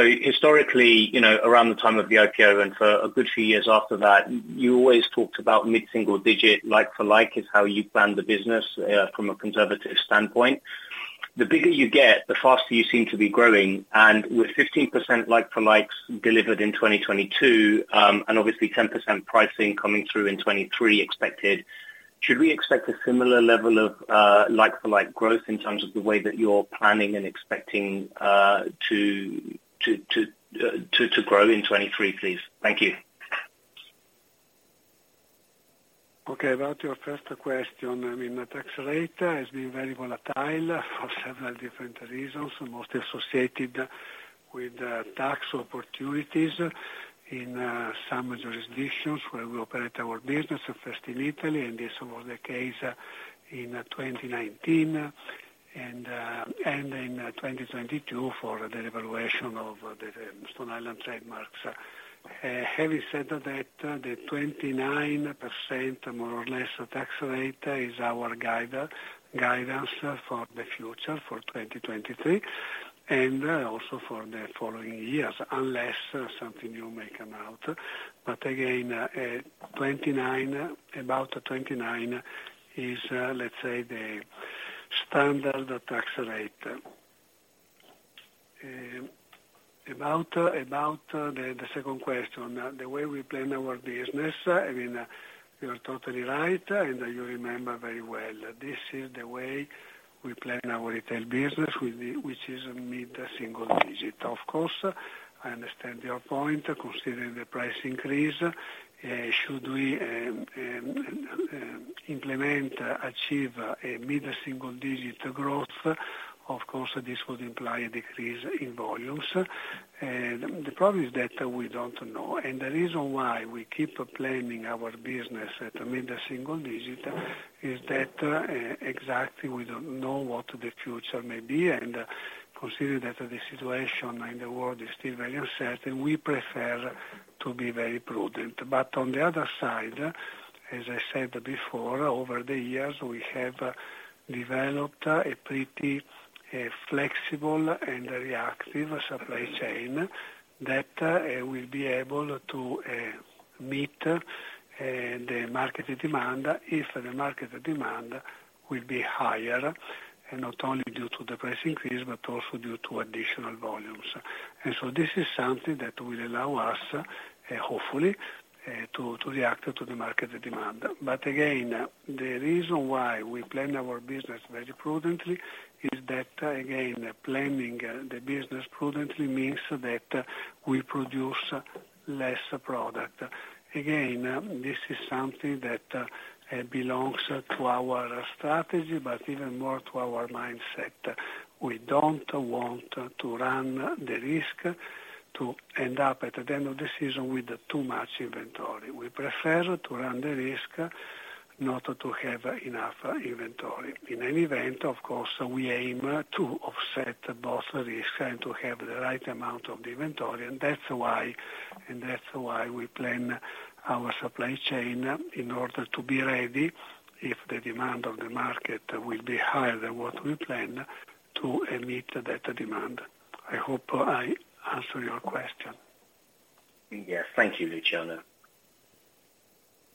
Historically, you know, around the time of the IPO and for a good few years after that, you always talked about mid-single digit, like-for-like, is how you planned the business from a conservative standpoint. The bigger you get, the faster you seem to be growing, with 15% like-for-likes delivered in 2022, and obviously 10% pricing coming through in 2023 expected, should we expect a similar level of like-for-like growth in terms of the way that you're planning and expecting to grow in 2023, please? Thank you. Okay, about your first question, I mean the tax rate has been very volatile for several different reasons, mostly associated with tax opportunities in some jurisdictions where we operate our business, first in Italy, and this was the case in 2019 and in 2022 for the evaluation of the Stone Island trademarks. Having said that, the 29% more or less tax rate is our guidance for the future for 2023, and also for the following years, unless something new may come out. Again, 29, about 29 is, let's say, the standard tax rate. About the second question, the way we plan our business, I mean, you're totally right, and you remember very well. This is the way we plan our retail business which is mid-single digit. Of course, I understand your point, considering the price increase, should we implement, achieve a mid-single digit growth? Of course, this would imply a decrease in volumes. The problem is that we don't know. The reason why we keep planning our business at mid-single digit is that exactly we don't know what the future may be. Considering that the situation in the world is still very uncertain, we prefer to be very prudent. On the other side, as I said before, over the years, we have developed a pretty flexible and reactive supply chain that will be able to meet the market demand if the market demand will be higher, and not only due to the price increase, but also due to additional volumes. This is something that will allow us, hopefully, to react to the market demand. Again, the reason why we plan our business very prudently is that, again, planning the business prudently means that we produce less product. Again, this is something that belongs to our strategy, but even more to our mindset. We don't want to run the risk to end up at the end of the season with too much inventory. We prefer to run the risk not to have enough inventory. In any event, of course, we aim to offset both risk and to have the right amount of inventory. That's why we plan our supply chain in order to be ready if the demand of the market will be higher than what we plan to meet that demand. I hope I answer your question. Yes. Thank you, Luciano.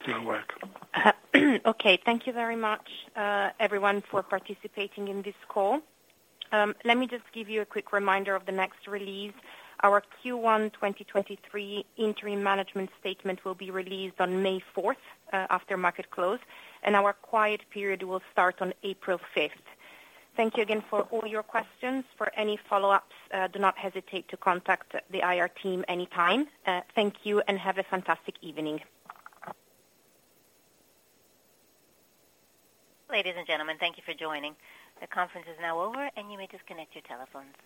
You're welcome. Okay. Thank you very much, everyone, for participating in this call. Let me just give you a quick reminder of the next release. Our Q1 2023 interim management statement will be released on May 4th, after market close, and our quiet period will start on April 5th. Thank you again for all your questions. For any follow-ups, do not hesitate to contact the IR team any time. Thank you and have a fantastic evening. Ladies and gentlemen, thank you for joining. The conference is now over and you may disconnect your telephones.